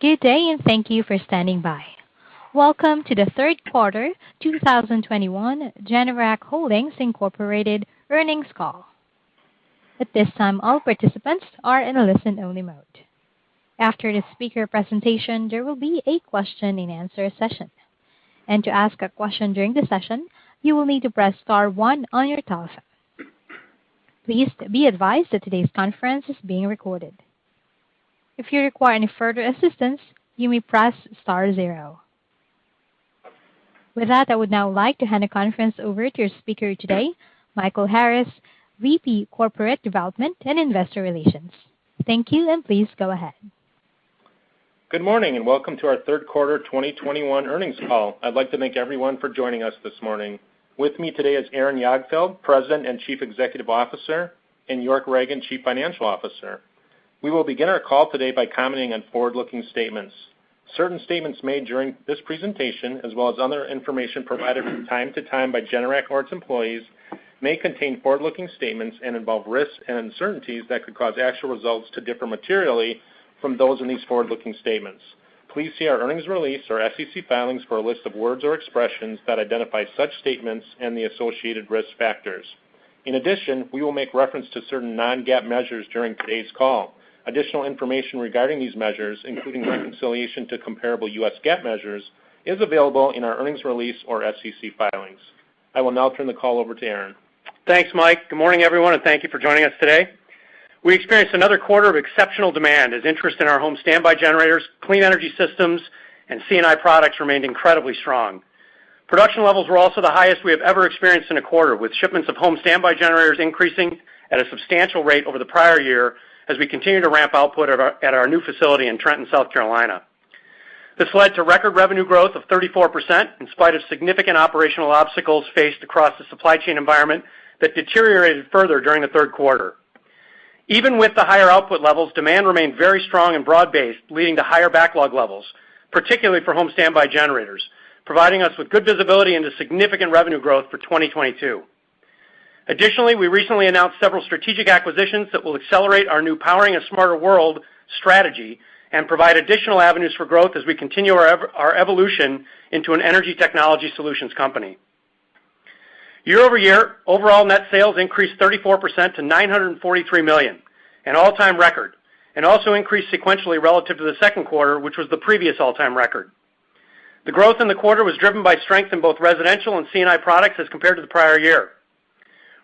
Good day, and thank you for standing by. Welcome to the Third Quarter 2021 Generac Holdings Inc. Earnings Call. At this time, all participants are in a listen-only mode. After the speaker presentation, there will be a question-and-answer session. To ask a question during the session, you will need to press star one on your telephone. Please be advised that today's conference is being recorded. If you require any further assistance, you may press star zero. With that, I would now like to hand the conference over to your speaker today, Michael Harris, VP Corporate Development and Investor Relations. Thank you, and please go ahead. Good morning, and welcome to our third quarter 2021 earnings call. I'd like to thank everyone for joining us this morning. With me today is Aaron Jagdfeld, President and Chief Executive Officer, and York Ragen, Chief Financial Officer. We will begin our call today by commenting on forward-looking statements. Certain statements made during this presentation, as well as other information provided from time to time by Generac or its employees, may contain forward-looking statements and involve risks and uncertainties that could cause actual results to differ materially from those in these forward-looking statements. Please see our earnings release or SEC filings for a list of words or expressions that identify such statements and the associated risk factors. In addition, we will make reference to certain non-GAAP measures during today's call. Additional information regarding these measures, including reconciliation to comparable U.S. GAAP measures, is available in our earnings release or SEC filings. I will now turn the call over to Aaron. Thanks, Mike. Good morning, everyone, and thank you for joining us today. We experienced another quarter of exceptional demand as interest in our home standby generators, clean energy systems, and C&I products remained incredibly strong. Production levels were also the highest we have ever experienced in a quarter, with shipments of home standby generators increasing at a substantial rate over the prior year as we continue to ramp output at our new facility in Trenton, South Carolina. This led to record revenue growth of 34% in spite of significant operational obstacles faced across the supply chain environment that deteriorated further during the third quarter. Even with the higher output levels, demand remained very strong and broad-based, leading to higher backlog levels, particularly for home standby generators, providing us with good visibility into significant revenue growth for 2022. Additionally, we recently announced several strategic acquisitions that will accelerate our new Powering a Smarter World strategy and provide additional avenues for growth as we continue our evolution into an energy technology solutions company. Year-over-year, overall net sales increased 34% to $943 million, an all-time record, and also increased sequentially relative to the second quarter, which was the previous all-time record. The growth in the quarter was driven by strength in both residential and C&I products as compared to the prior year.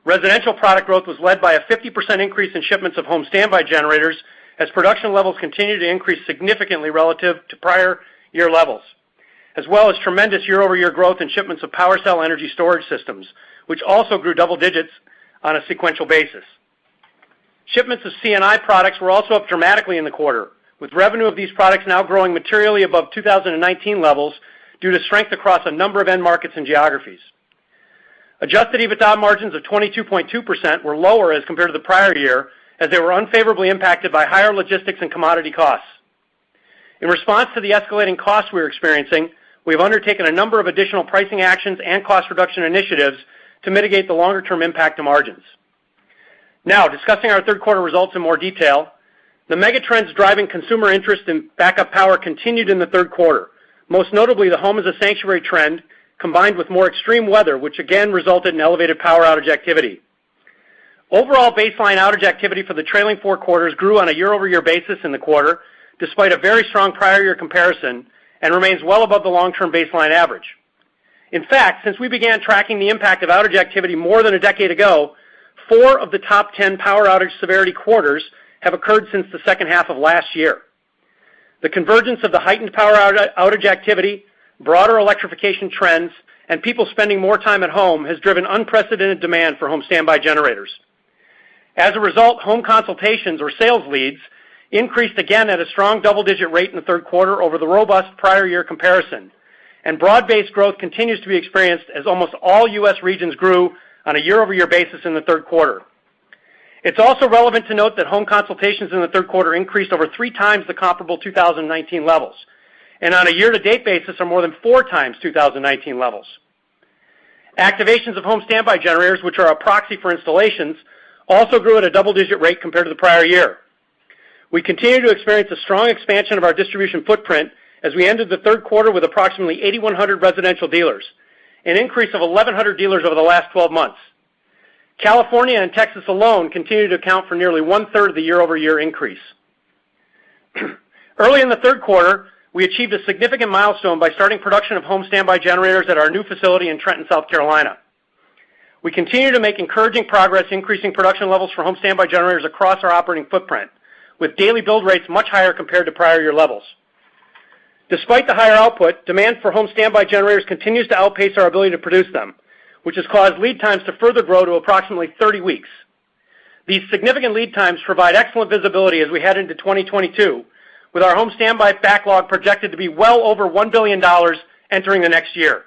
Residential product growth was led by a 50% increase in shipments of home standby generators as production levels continued to increase significantly relative to prior year levels, as well as tremendous year-over-year growth in shipments of PWRcell energy storage systems, which also grew double digits on a sequential basis. Shipments of C&I products were also up dramatically in the quarter, with revenue of these products now growing materially above 2019 levels due to strength across a number of end markets and geographies. Adjusted EBITDA margins of 22.2% were lower as compared to the prior year, as they were unfavorably impacted by higher logistics and commodity costs. In response to the escalating costs we are experiencing, we have undertaken a number of additional pricing actions and cost reduction initiatives to mitigate the longer-term impact to margins. Now, discussing our third quarter results in more detail, the megatrends driving consumer interest in backup power continued in the third quarter, most notably the Home is a Sanctuary trend, combined with more extreme weather, which again resulted in elevated power outage activity. Overall baseline outage activity for the trailing four quarters grew on a year-over-year basis in the quarter, despite a very strong prior year comparison, and remains well above the long-term baseline average. In fact, since we began tracking the impact of outage activity more than a decade ago, four of the top 10 power outage severity quarters have occurred since the second half of last year. The convergence of the heightened power outage activity, broader electrification trends, and people spending more time at home has driven unprecedented demand for home standby generators. As a result, home consultations or sales leads increased again at a strong double-digit rate in the third quarter over the robust prior year comparison. Broad-based growth continues to be experienced as almost all U.S. regions grew on a year-over-year basis in the third quarter. It's also relevant to note that home consultations in the third quarter increased over 3x the comparable 2019 levels, and on a year-to-date basis are more than 4x 2019 levels. Activations of home standby generators, which are a proxy for installations, also grew at a double-digit rate compared to the prior year. We continue to experience a strong expansion of our distribution footprint as we ended the third quarter with approximately 8,100 residential dealers, an increase of 1,100 dealers over the last 12 months. California and Texas alone continue to account for nearly 1/3 of the year-over-year increase. Early in the third quarter, we achieved a significant milestone by starting production of home standby generators at our new facility in Trenton, South Carolina. We continue to make encouraging progress increasing production levels for home standby generators across our operating footprint, with daily build rates much higher compared to prior year levels. Despite the higher output, demand for home standby generators continues to outpace our ability to produce them, which has caused lead times to further grow to approximately 30 weeks. These significant lead times provide excellent visibility as we head into 2022, with our home standby backlog projected to be well over $1 billion entering the next year.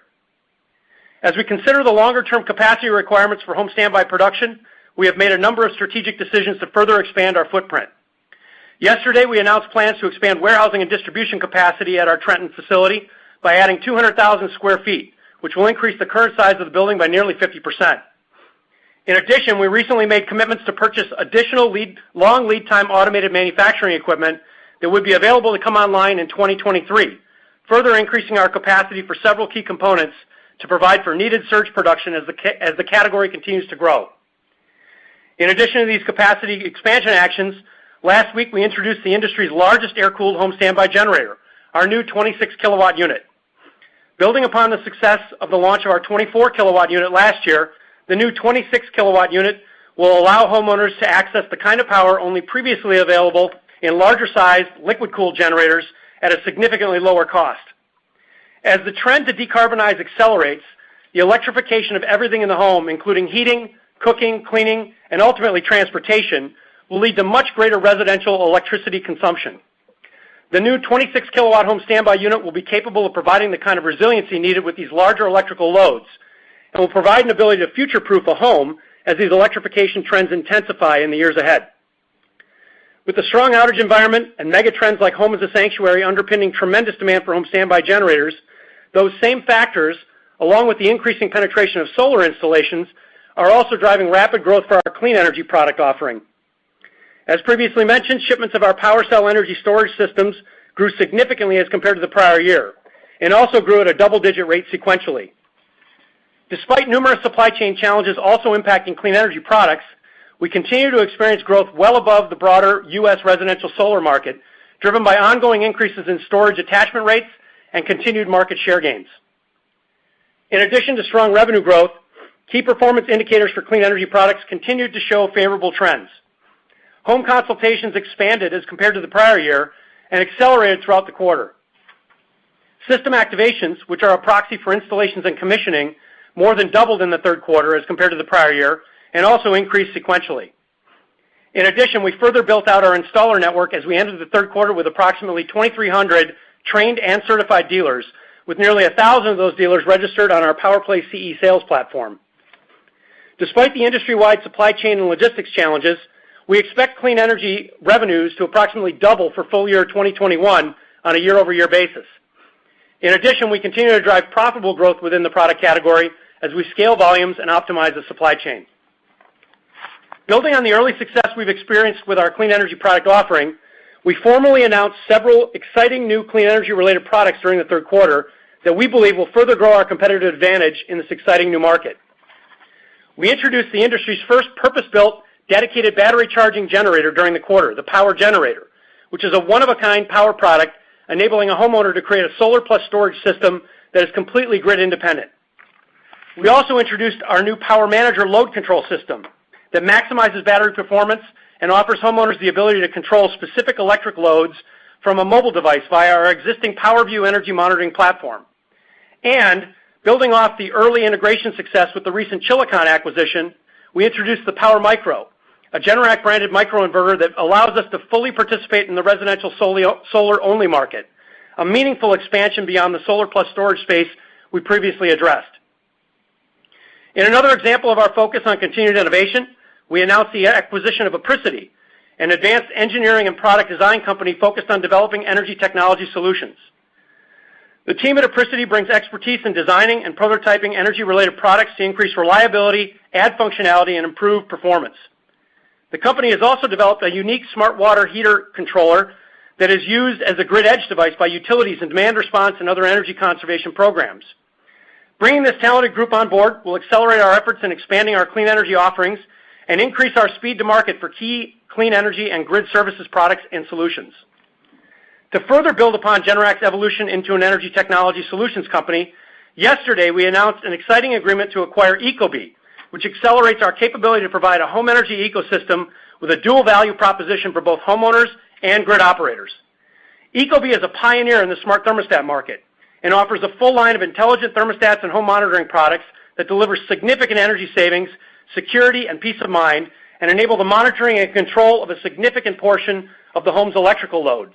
As we consider the longer-term capacity requirements for home standby production, we have made a number of strategic decisions to further expand our footprint. Yesterday, we announced plans to expand warehousing and distribution capacity at our Trenton facility by adding 200,000 sq ft, which will increase the current size of the building by nearly 50%. In addition, we recently made commitments to purchase additional long lead time automated manufacturing equipment that would be available to come online in 2023, further increasing our capacity for several key components to provide for needed surge production as the category continues to grow. In addition to these capacity expansion actions, last week we introduced the industry's largest air-cooled home standby generator, our new 26 kW unit. Building upon the success of the launch of our 24 kW unit last year, the new 26 kW unit will allow homeowners to access the kind of power only previously available in larger sized liquid cooled generators at a significantly lower cost. As the trend to decarbonize accelerates, the electrification of everything in the home, including heating, cooking, cleaning, and ultimately transportation, will lead to much greater residential electricity consumption. The new 26 kW home standby unit will be capable of providing the kind of resiliency needed with these larger electrical loads and will provide an ability to future-proof a home as these electrification trends intensify in the years ahead. With the strong outage environment and mega trends like Home as a Sanctuary underpinning tremendous demand for home standby generators, those same factors, along with the increasing penetration of solar installations, are also driving rapid growth for our clean energy product offering. As previously mentioned, shipments of our PWRcell energy storage systems grew significantly as compared to the prior year and also grew at a double-digit rate sequentially. Despite numerous supply chain challenges also impacting clean energy products, we continue to experience growth well above the broader U.S. residential solar market, driven by ongoing increases in storage attachment rates and continued market share gains. In addition to strong revenue growth, key performance indicators for clean energy products continued to show favorable trends. In-home consultations expanded as compared to the prior year and accelerated throughout the quarter. System activations, which are a proxy for installations and commissioning, more than doubled in the third quarter as compared to the prior year and also increased sequentially. In addition, we further built out our installer network as we entered the third quarter with approximately 2,300 trained and certified dealers, with nearly 1,000 of those dealers registered on our PowerPlay CE sales platform. Despite the industry-wide supply chain and logistics challenges, we expect clean energy revenues to approximately double for full year 2021 on a year-over-year basis. In addition, we continue to drive profitable growth within the product category as we scale volumes and optimize the supply chain. Building on the early success we've experienced with our clean energy product offering, we formally announced several exciting new clean energy-related products during the third quarter that we believe will further grow our competitive advantage in this exciting new market. We introduced the industry's first purpose-built dedicated battery charging generator during the quarter, the PWRgenerator, which is a one-of-a-kind power product enabling a homeowner to create a solar plus storage system that is completely grid independent. We also introduced our new PWRmanager load control system that maximizes battery performance and offers homeowners the ability to control specific electric loads from a mobile device via our existing PWRview energy monitoring platform. Building off the early integration success with the recent Chilicon acquisition, we introduced the PWRmicro, a Generac-branded microinverter that allows us to fully participate in the residential solar-only market, a meaningful expansion beyond the solar plus storage space we previously addressed. In another example of our focus on continued innovation, we announced the acquisition of Apricity, an advanced engineering and product design company focused on developing energy technology solutions. The team at Apricity brings expertise in designing and prototyping energy-related products to increase reliability, add functionality, and improve performance. The company has also developed a unique smart water heater controller that is used as a grid edge device by utilities in demand response and other energy conservation programs. Bringing this talented group on board will accelerate our efforts in expanding our clean energy offerings and increase our speed to market for key clean energy and grid services products and solutions. To further build upon Generac's evolution into an energy technology solutions company, yesterday we announced an exciting agreement to acquire ecobee, which accelerates our capability to provide a home energy ecosystem with a dual value proposition for both homeowners and grid operators, ecobee is a pioneer in the smart thermostat market and offers a full line of intelligent thermostats and home monitoring products that deliver significant energy savings, security, and peace of mind, and enable the monitoring and control of a significant portion of the home's electrical load.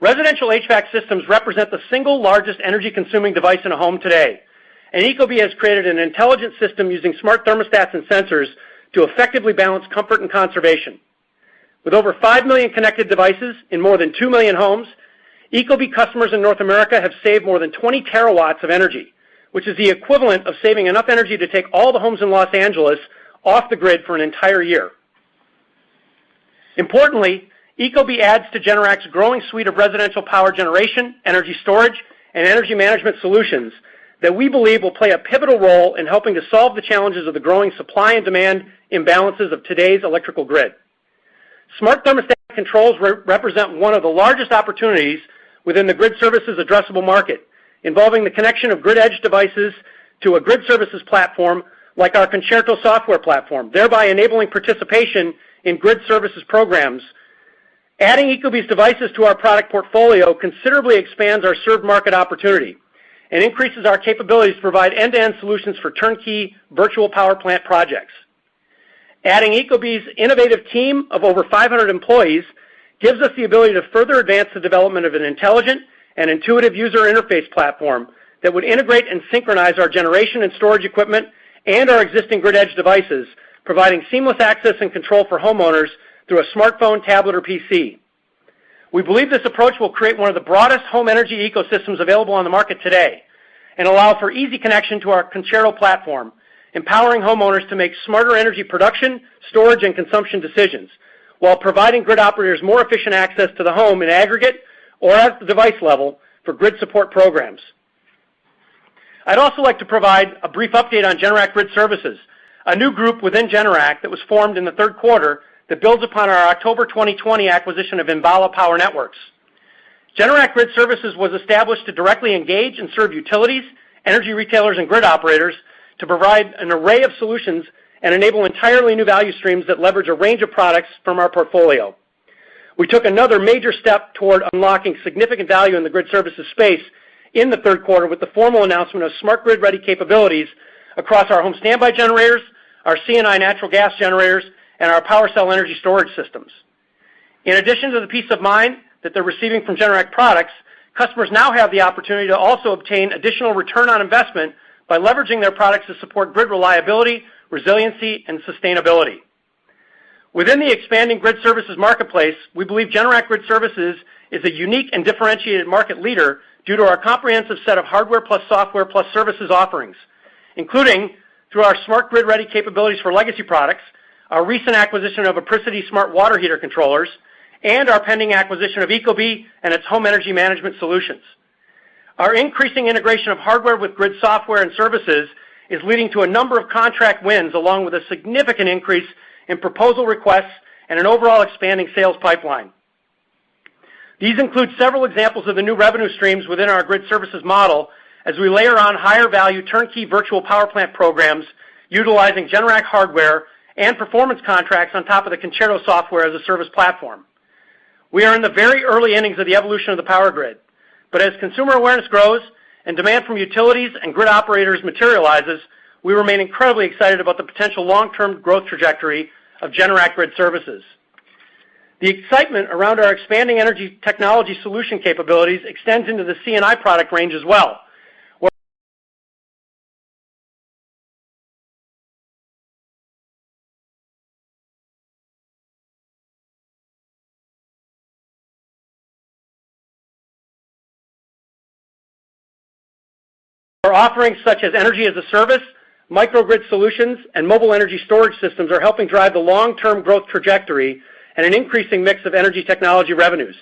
Residential HVAC systems represent the single largest energy-consuming device in a home today, and ecobee has created an intelligent system using smart thermostats and sensors to effectively balance comfort and conservation. With over 5 million connected devices in more than 2 million homes, ecobee customers in North America have saved more than 20 TW of energy, which is the equivalent of saving enough energy to take all the homes in Los Angeles off the grid for an entire year. Importantly, ecobee adds to Generac's growing suite of residential power generation, energy storage, and energy management solutions that we believe will play a pivotal role in helping to solve the challenges of the growing supply and demand imbalances of today's electrical grid. Smart thermostat controls represent one of the largest opportunities within the grid services addressable market, involving the connection of grid edge devices to a grid services platform like our Concerto software platform, thereby enabling participation in grid services programs. Adding ecobee's devices to our product portfolio considerably expands our served market opportunity and increases our capability to provide end-to-end solutions for turnkey virtual power plant projects. Adding ecobee's innovative team of over 500 employees gives us the ability to further advance the development of an intelligent and intuitive user interface platform that would integrate and synchronize our generation and storage equipment and our existing grid edge devices, providing seamless access and control for homeowners through a smartphone, tablet, or PC. We believe this approach will create one of the broadest home energy ecosystems available on the market today and allow for easy connection to our Concerto platform, empowering homeowners to make smarter energy production, storage, and consumption decisions while providing grid operators more efficient access to the home in aggregate or at the device level for grid support programs. I'd also like to provide a brief update on Generac Grid Services, a new group within Generac that was formed in the third quarter that builds upon our October 2020 acquisition of Enbala Power Networks. Generac Grid Services was established to directly engage and serve utilities, energy retailers, and grid operators to provide an array of solutions and enable entirely new value streams that leverage a range of products from our portfolio. We took another major step toward unlocking significant value in the grid services space in the third quarter with the formal announcement of smart grid-ready capabilities across our home standby generators, our C&I natural gas generators, and our PWRcell energy storage systems. In addition to the peace of mind that they're receiving from Generac products, customers now have the opportunity to also obtain additional return on investment by leveraging their products to support grid reliability, resiliency, and sustainability. Within the expanding grid services marketplace, we believe Generac Grid Services is a unique and differentiated market leader due to our comprehensive set of hardware plus software plus services offerings, including through our smart grid-ready capabilities for legacy products, our recent acquisition of Apricity smart water heater controllers, and our pending acquisition of ecobee and its home energy management solutions. Our increasing integration of hardware with grid software and services is leading to a number of contract wins, along with a significant increase in proposal requests and an overall expanding sales pipeline. These include several examples of the new revenue streams within our grid services model as we layer on higher-value turnkey virtual power plant programs utilizing Generac hardware and performance contracts on top of the Concerto software as a service platform. We are in the very early innings of the evolution of the power grid. As consumer awareness grows and demand from utilities and grid operators materializes, we remain incredibly excited about the potential long-term growth trajectory of Generac Grid Services. The excitement around our expanding energy technology solution capabilities extends into the C&I product range as well, where offerings such as energy-as-a-service, microgrid solutions, and mobile energy storage systems are helping drive the long-term growth trajectory and an increasing mix of energy technology revenues.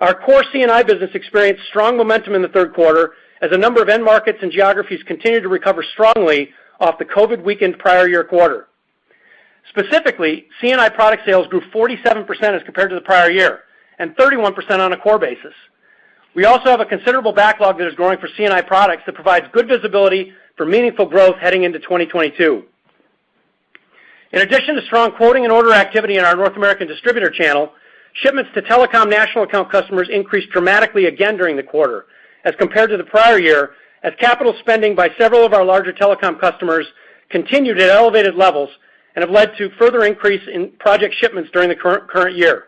Our core C&I business experienced strong momentum in the third quarter as a number of end markets and geographies continued to recover strongly off the COVID weakened prior year quarter. Specifically, C&I product sales grew 47% as compared to the prior year and 31% on a core basis. We also have a considerable backlog that is growing for C&I products that provides good visibility for meaningful growth heading into 2022. In addition to strong quoting and order activity in our North American distributor channel, shipments to telecom national account customers increased dramatically again during the quarter as compared to the prior year as capital spending by several of our larger telecom customers continued at elevated levels and have led to further increase in project shipments during the current year.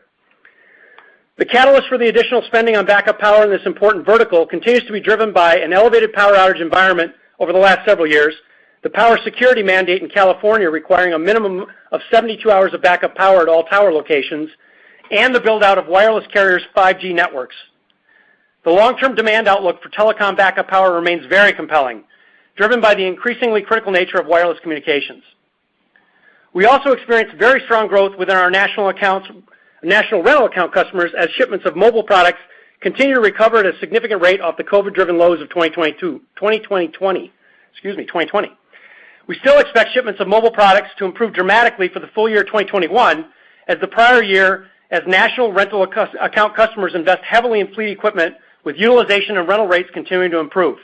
The catalyst for the additional spending on backup power in this important vertical continues to be driven by an elevated power outage environment over the last several years, the power security mandate in California requiring a minimum of 72 hours of backup power at all tower locations, and the build-out of wireless carriers' 5G networks. The long-term demand outlook for telecom backup power remains very compelling, driven by the increasingly critical nature of wireless communications. We also experienced very strong growth within our national rental account customers as shipments of mobile products continue to recover at a significant rate off the COVID-driven lows of 2020. We still expect shipments of mobile products to improve dramatically for the full year 2021 as the prior year as national rental account customers invest heavily in fleet equipment with utilization and rental rates continuing to improve.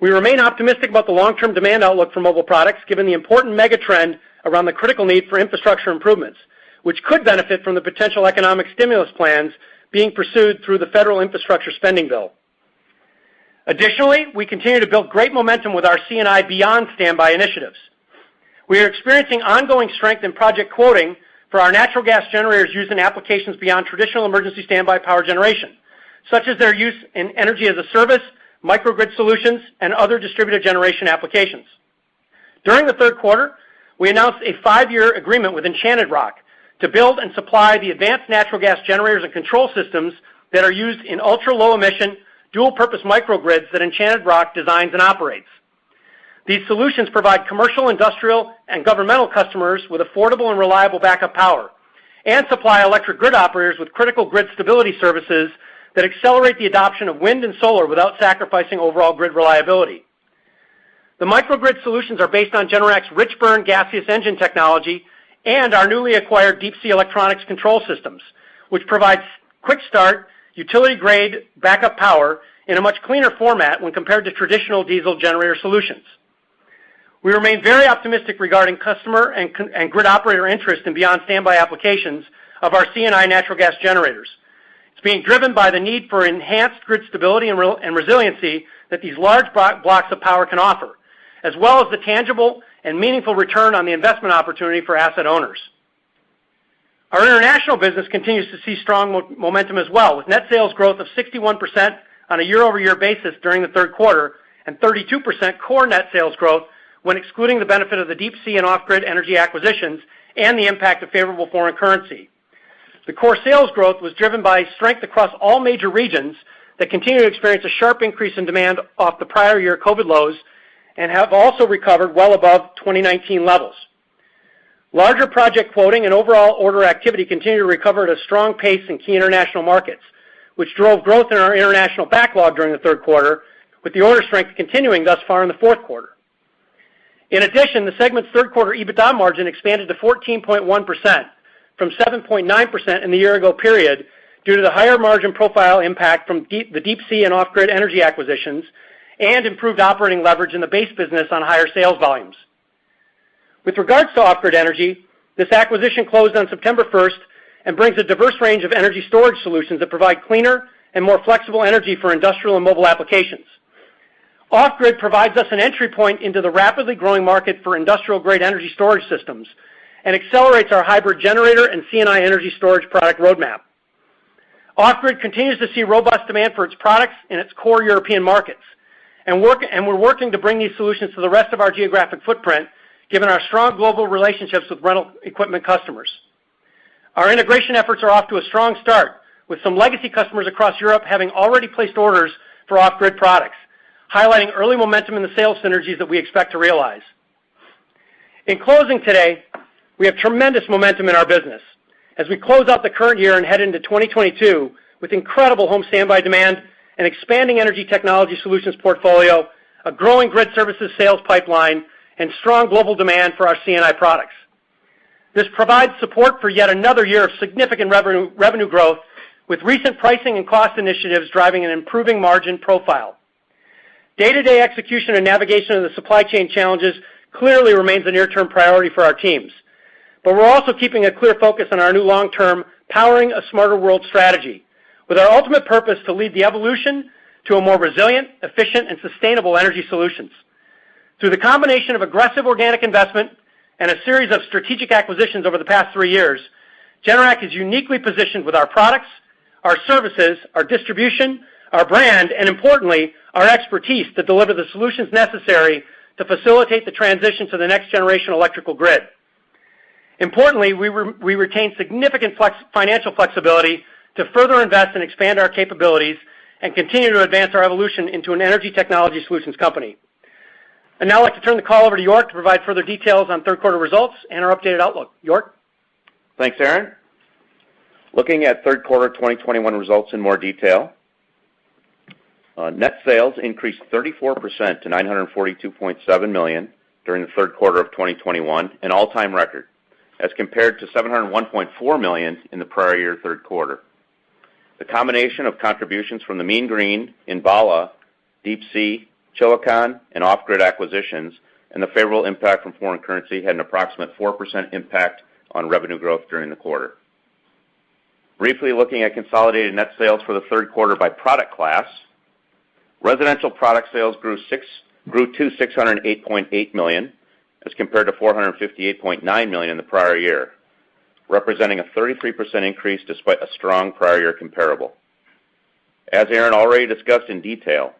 We remain optimistic about the long-term demand outlook for mobile products, given the important mega trend around the critical need for infrastructure improvements, which could benefit from the potential economic stimulus plans being pursued through the federal infrastructure spending bill. Additionally, we continue to build great momentum with our C&I Beyond Standby initiatives. We are experiencing ongoing strength in project quoting for our natural gas generators used in applications beyond traditional emergency standby power generation, such as their use in energy-as-a-service, microgrid solutions, and other distributed generation applications. During the third quarter, we announced a five-year agreement with Enchanted Rock to build and supply the advanced natural gas generators and control systems that are used in ultra-low emission, dual-purpose microgrids that Enchanted Rock designs and operates. These solutions provide commercial, industrial, and governmental customers with affordable and reliable backup power and supply electric grid operators with critical grid stability services that accelerate the adoption of wind and solar without sacrificing overall grid reliability. The microgrid solutions are based on Generac's rich burn gaseous engine technology and our newly acquired Deep Sea Electronics control systems, which provides quick start, utility-grade backup power in a much cleaner format when compared to traditional diesel generator solutions. We remain very optimistic regarding customer and grid operator interest in beyond standby applications of our C&I natural gas generators. It's being driven by the need for enhanced grid stability and resiliency that these large blocks of power can offer, as well as the tangible and meaningful return on the investment opportunity for asset owners. Our international business continues to see strong momentum as well, with net sales growth of 61% on a year-over-year basis during the third quarter and 32% core net sales growth when excluding the benefit of the Deep Sea and Off Grid Energy acquisitions and the impact of favorable foreign currency. The core sales growth was driven by strength across all major regions that continue to experience a sharp increase in demand off the prior year COVID lows and have also recovered well above 2019 levels. Larger project quoting and overall order activity continued to recover at a strong pace in key international markets, which drove growth in our international backlog during the third quarter, with the order strength continuing thus far in the fourth quarter. In addition, the segment's third quarter EBITDA margin expanded to 14.1% from 7.9% in the year-ago period due to the higher margin profile impact from the Deep Sea and Off Grid Energy acquisitions and improved operating leverage in the base business on higher sales volumes. With regards to Off Grid Energy, this acquisition closed on September 1st and brings a diverse range of energy storage solutions that provide cleaner and more flexible energy for industrial and mobile applications. Off Grid Energy provides us an entry point into the rapidly growing market for industrial-grade energy storage systems and accelerates our hybrid generator and C&I energy storage product roadmap. Off Grid continues to see robust demand for its products in its core European markets, and we're working to bring these solutions to the rest of our geographic footprint, given our strong global relationships with rental equipment customers. Our integration efforts are off to a strong start, with some legacy customers across Europe having already placed orders for Off Grid products, highlighting early momentum in the sales synergies that we expect to realize. In closing today, we have tremendous momentum in our business as we close out the current year and head into 2022 with incredible home standby demand, an expanding energy technology solutions portfolio, a growing grid services sales pipeline, and strong global demand for our C&I products. This provides support for yet another year of significant revenue growth, with recent pricing and cost initiatives driving an improving margin profile. Day-to-day execution and navigation of the supply chain challenges clearly remains a near-term priority for our teams. We're also keeping a clear focus on our new long-term Powering a Smarter World strategy, with our ultimate purpose to lead the evolution to a more resilient, efficient, and sustainable energy solutions. Through the combination of aggressive organic investment and a series of strategic acquisitions over the past three years, Generac is uniquely positioned with our products, our services, our distribution, our brand, and importantly, our expertise to deliver the solutions necessary to facilitate the transition to the next generation electrical grid. Importantly, we retain significant financial flexibility to further invest and expand our capabilities and continue to advance our evolution into an energy technology solutions company. I'd now like to turn the call over to York to provide further details on third quarter results and our updated outlook. York? Thanks, Aaron. Looking at third quarter 2021 results in more detail. Net sales increased 34% to $942.7 million during the third quarter of 2021, an all-time record, as compared to $701.4 million in the prior year third quarter. The combination of contributions from the Mean Green, Enbala, Deep Sea, Chilicon, and Off-Grid acquisitions and the favorable impact from foreign currency had an approximate 4% impact on revenue growth during the quarter. Briefly looking at consolidated net sales for the third quarter by product class. Residential product sales grew to $608.8 million, as compared to $458.9 million in the prior year, representing a 33% increase despite a strong prior year comparable. As Aaron already discussed in detail,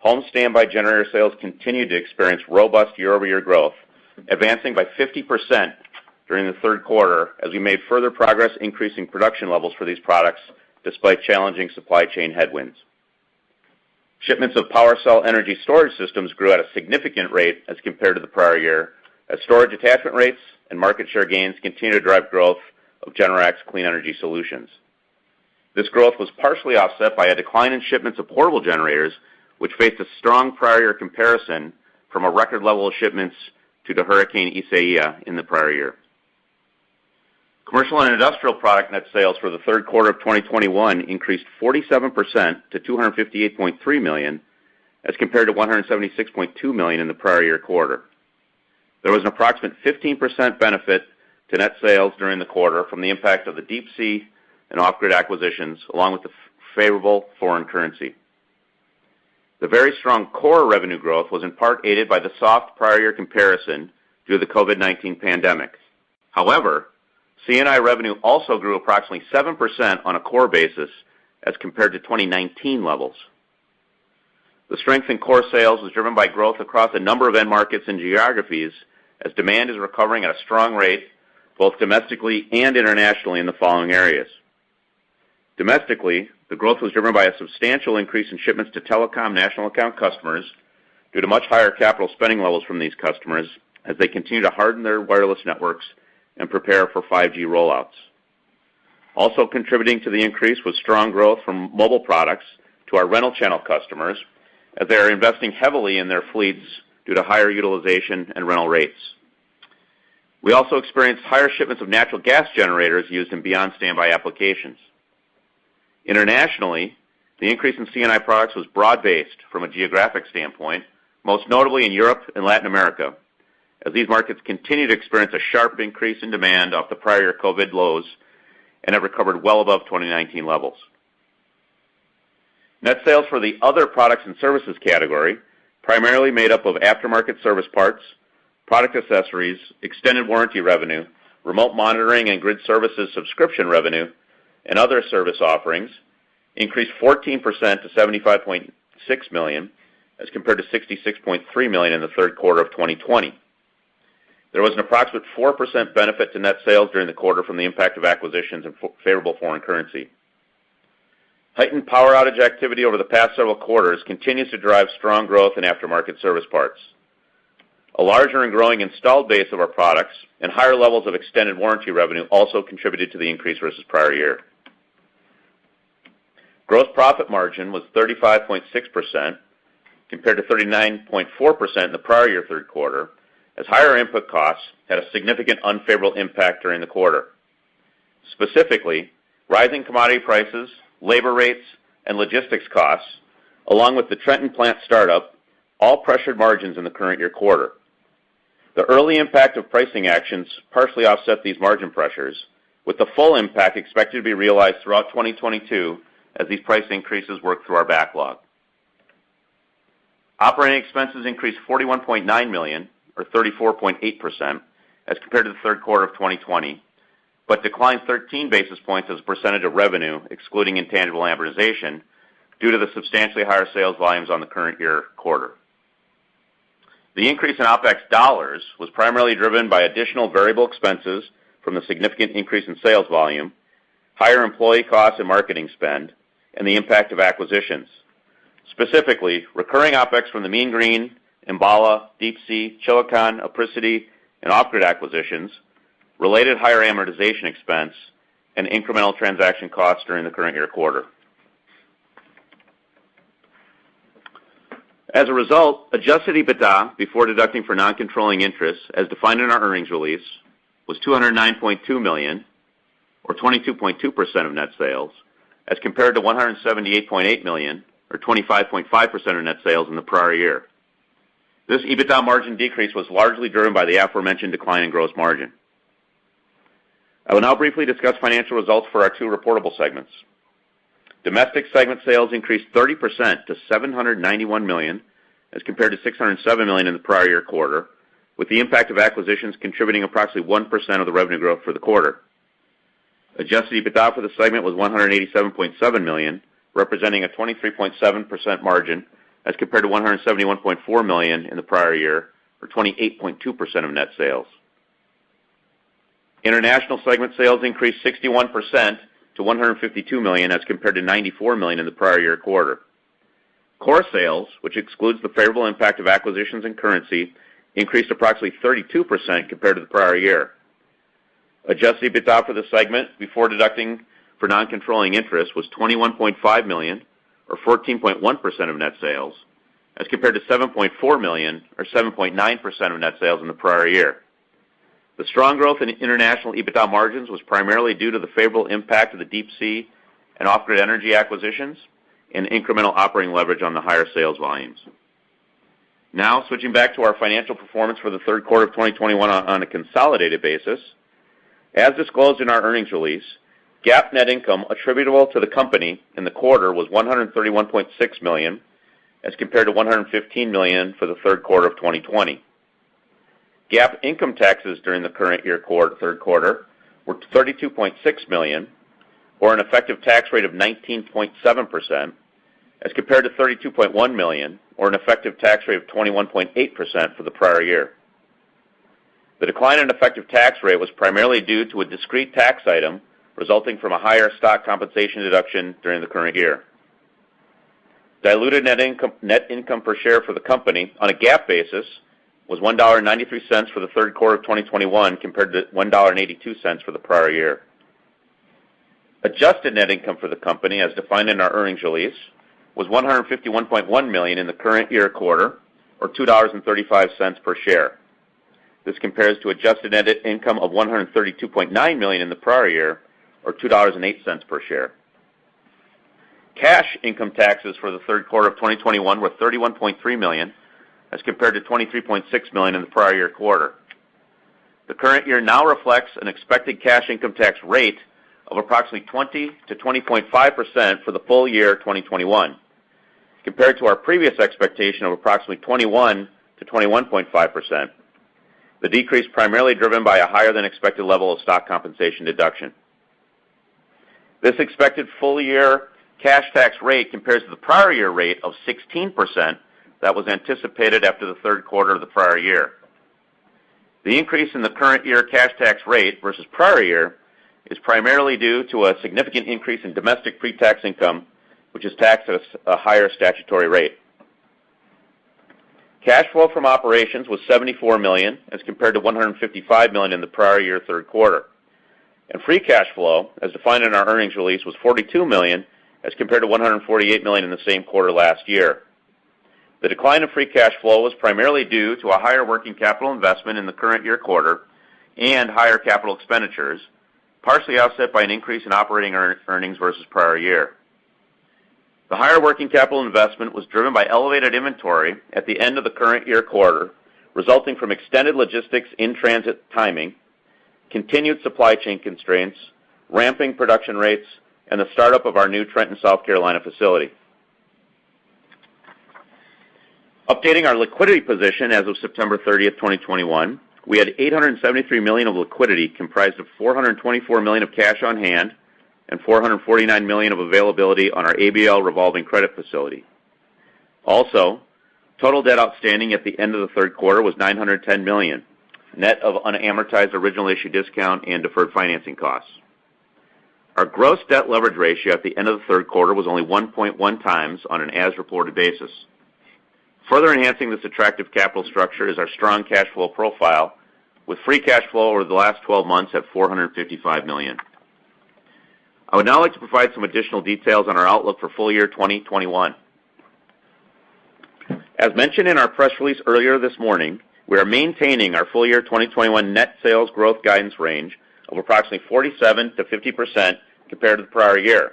home standby generator sales continued to experience robust year-over-year growth, advancing by 50% during the third quarter as we made further progress increasing production levels for these products despite challenging supply chain headwinds. Shipments of PWRcell energy storage systems grew at a significant rate as compared to the prior year, as storage attachment rates and market share gains continue to drive growth of Generac's clean energy solutions. This growth was partially offset by a decline in shipments of portable generators, which faced a strong prior year comparison from a record level of shipments due to Hurricane Isaias in the prior year. Commercial and industrial product net sales for the third quarter of 2021 increased 47% to $258.3 million, as compared to $176.2 million in the prior year quarter. There was an approximate 15% benefit to net sales during the quarter from the impact of the Deep Sea and Off Grid acquisitions, along with the favorable foreign currency. The very strong core revenue growth was in part aided by the soft prior year comparison due to the COVID-19 pandemic. However, C&I revenue also grew approximately 7% on a core basis as compared to 2019 levels. The strength in core sales was driven by growth across a number of end markets and geographies as demand is recovering at a strong rate, both domestically and internationally in the following areas. Domestically, the growth was driven by a substantial increase in shipments to telecom national account customers due to much higher capital spending levels from these customers as they continue to harden their wireless networks and prepare for 5G rollouts. Also contributing to the increase was strong growth from mobile products to our rental channel customers as they are investing heavily in their fleets due to higher utilization and rental rates. We also experienced higher shipments of natural gas generators used in Beyond Standby applications. Internationally, the increase in C&I products was broad-based from a geographic standpoint, most notably in Europe and Latin America, as these markets continue to experience a sharp increase in demand off the prior year COVID-19 lows and have recovered well above 2019 levels. Net sales for the other products and services category, primarily made up of aftermarket service parts, product accessories, extended warranty revenue, remote monitoring and grid services subscription revenue, and other service offerings increased 14% to $75.6 million as compared to $66.3 million in the third quarter of 2020. There was an approximate 4% benefit to net sales during the quarter from the impact of acquisitions and favorable foreign currency. Heightened power outage activity over the past several quarters continues to drive strong growth in aftermarket service parts. A larger and growing installed base of our products and higher levels of extended warranty revenue also contributed to the increase versus prior year. Gross profit margin was 35.6% compared to 39.4% in the prior year third quarter, as higher input costs had a significant unfavorable impact during the quarter. Specifically, rising commodity prices, labor rates, and logistics costs, along with the Trenton plant startup, all pressured margins in the current year quarter. The early impact of pricing actions partially offset these margin pressures, with the full impact expected to be realized throughout 2022 as these price increases work through our backlog. Operating expenses increased $41.9 million or 34.8% as compared to the third quarter of 2020, but declined 13 basis points as a percentage of revenue, excluding intangible amortization, due to the substantially higher sales volumes on the current year quarter. The increase in OpEx dollars was primarily driven by additional variable expenses from the significant increase in sales volume, higher employee costs and marketing spend, and the impact of acquisitions. Specifically, recurring OpEx from the Mean Green, Enbala, Deep Sea, Chilicon, Apricity, and Off Grid acquisitions, related higher amortization expense, and incremental transaction costs during the current year quarter. As a result, adjusted EBITDA, before deducting for non-controlling interests, as defined in our earnings release, was $209.2 million or 22.2% of net sales, as compared to $178.8 million or 25.5% of net sales in the prior year. This EBITDA margin decrease was largely driven by the aforementioned decline in gross margin. I will now briefly discuss financial results for our two reportable segments. Domestic segment sales increased 30% to $791 million as compared to $607 million in the prior year quarter, with the impact of acquisitions contributing approximately 1% of the revenue growth for the quarter. Adjusted EBITDA for the segment was $187.7 million, representing a 23.7% margin as compared to $171.4 million in the prior year, or 28.2% of net sales. International segment sales increased 61% to $152 million as compared to $94 million in the prior year quarter. Core sales, which excludes the favorable impact of acquisitions and currency, increased approximately 32% compared to the prior year. Adjusted EBITDA for the segment before deducting for non-controlling interest was $21.5 million or 14.1% of net sales as compared to $7.4 million or 7.9% of net sales in the prior year. The strong growth in international EBITDA margins was primarily due to the favorable impact of the Deep Sea and Off Grid Energy acquisitions and incremental operating leverage on the higher sales volumes. Now switching back to our financial performance for the third quarter of 2021 on a consolidated basis. As disclosed in our earnings release, GAAP net income attributable to the company in the quarter was $131.6 million as compared to $115 million for the third quarter of 2020. GAAP income taxes during the current year third quarter were $32.6 million or an effective tax rate of 19.7% as compared to $32.1 million or an effective tax rate of 21.8% for the prior year. The decline in effective tax rate was primarily due to a discrete tax item resulting from a higher stock compensation deduction during the current year. Diluted net income per share for the company on a GAAP basis was $1.93 for the third quarter of 2021 compared to $1.82 for the prior year. Adjusted net income for the company, as defined in our earnings release, was $151.1 million in the current year quarter or $2.35 per share. This compares to adjusted net income of $132.9 million in the prior year or $2.08 per share. Cash income taxes for the third quarter of 2021 were $31.3 million as compared to $23.6 million in the prior year quarter. The current year now reflects an expected cash income tax rate of approximately 20%-20.5% for the full year 2021. Compared to our previous expectation of approximately 21%-21.5%, the decrease primarily driven by a higher than expected level of stock compensation deduction. This expected full year cash tax rate compares to the prior year rate of 16% that was anticipated after the third quarter of the prior year. The increase in the current year cash tax rate versus prior year is primarily due to a significant increase in domestic pre-tax income, which is taxed at a higher statutory rate. Cash flow from operations was $74 million as compared to $155 million in the prior year third quarter. Free cash flow, as defined in our earnings release, was $42 million as compared to $148 million in the same quarter last year. The decline in free cash flow was primarily due to a higher working capital investment in the current year quarter and higher capital expenditures, partially offset by an increase in operating earnings versus prior year. The higher working capital investment was driven by elevated inventory at the end of the current year quarter, resulting from extended logistics in-transit timing, continued supply chain constraints, ramping production rates, and the startup of our new Trenton, South Carolina facility. Updating our liquidity position as of September 30th, 2021, we had $873 million of liquidity comprised of $424 million of cash on hand and $449 million of availability on our ABL revolving credit facility. Also, total debt outstanding at the end of the third quarter was $910 million, net of unamortized original issue discount and deferred financing costs. Our gross debt leverage ratio at the end of the third quarter was only 1.1x on an as-reported basis. Further enhancing this attractive capital structure is our strong cash flow profile with free cash flow over the last 12 months at $455 million. I would now like to provide some additional details on our outlook for full year 2021. As mentioned in our press release earlier this morning, we are maintaining our full year 2021 net sales growth guidance range of approximately 47%-50% compared to the prior year,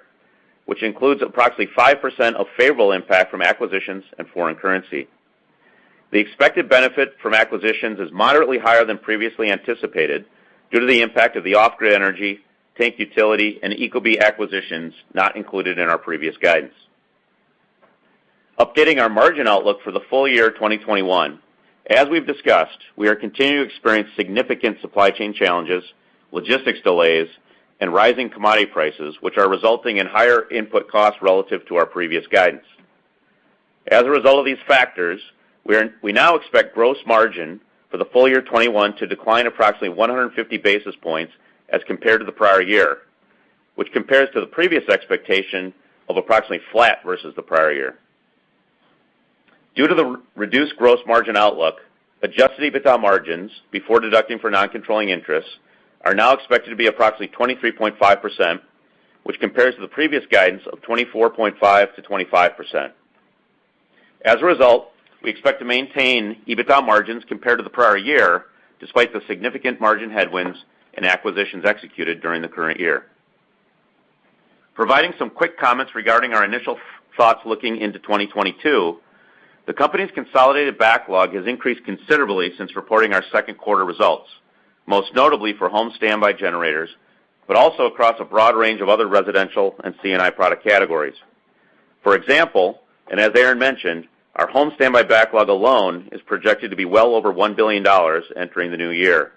which includes approximately 5% of favorable impact from acquisitions and foreign currency. The expected benefit from acquisitions is moderately higher than previously anticipated due to the impact of the Off Grid Energy, Tank Utility, and ecobee acquisitions not included in our previous guidance. Updating our margin outlook for the full year 2021. As we've discussed, we are continuing to experience significant supply chain challenges, logistics delays, and rising commodity prices, which are resulting in higher input costs relative to our previous guidance. As a result of these factors, we now expect gross margin for the full year 2021 to decline approximately 150 basis points as compared to the prior year, which compares to the previous expectation of approximately flat versus the prior year. Due to the reduced gross margin outlook, adjusted EBITDA margins before deducting for non-controlling interests are now expected to be approximately 23.5%, which compares to the previous guidance of 24.5%-25%. As a result, we expect to maintain EBITDA margins compared to the prior year, despite the significant margin headwinds and acquisitions executed during the current year. Providing some quick comments regarding our initial thoughts looking into 2022, the company's consolidated backlog has increased considerably since reporting our second quarter results, most notably for home standby generators, but also across a broad range of other residential and C&I product categories. For example, as Aaron mentioned, our home standby backlog alone is projected to be well over $1 billion entering the new year.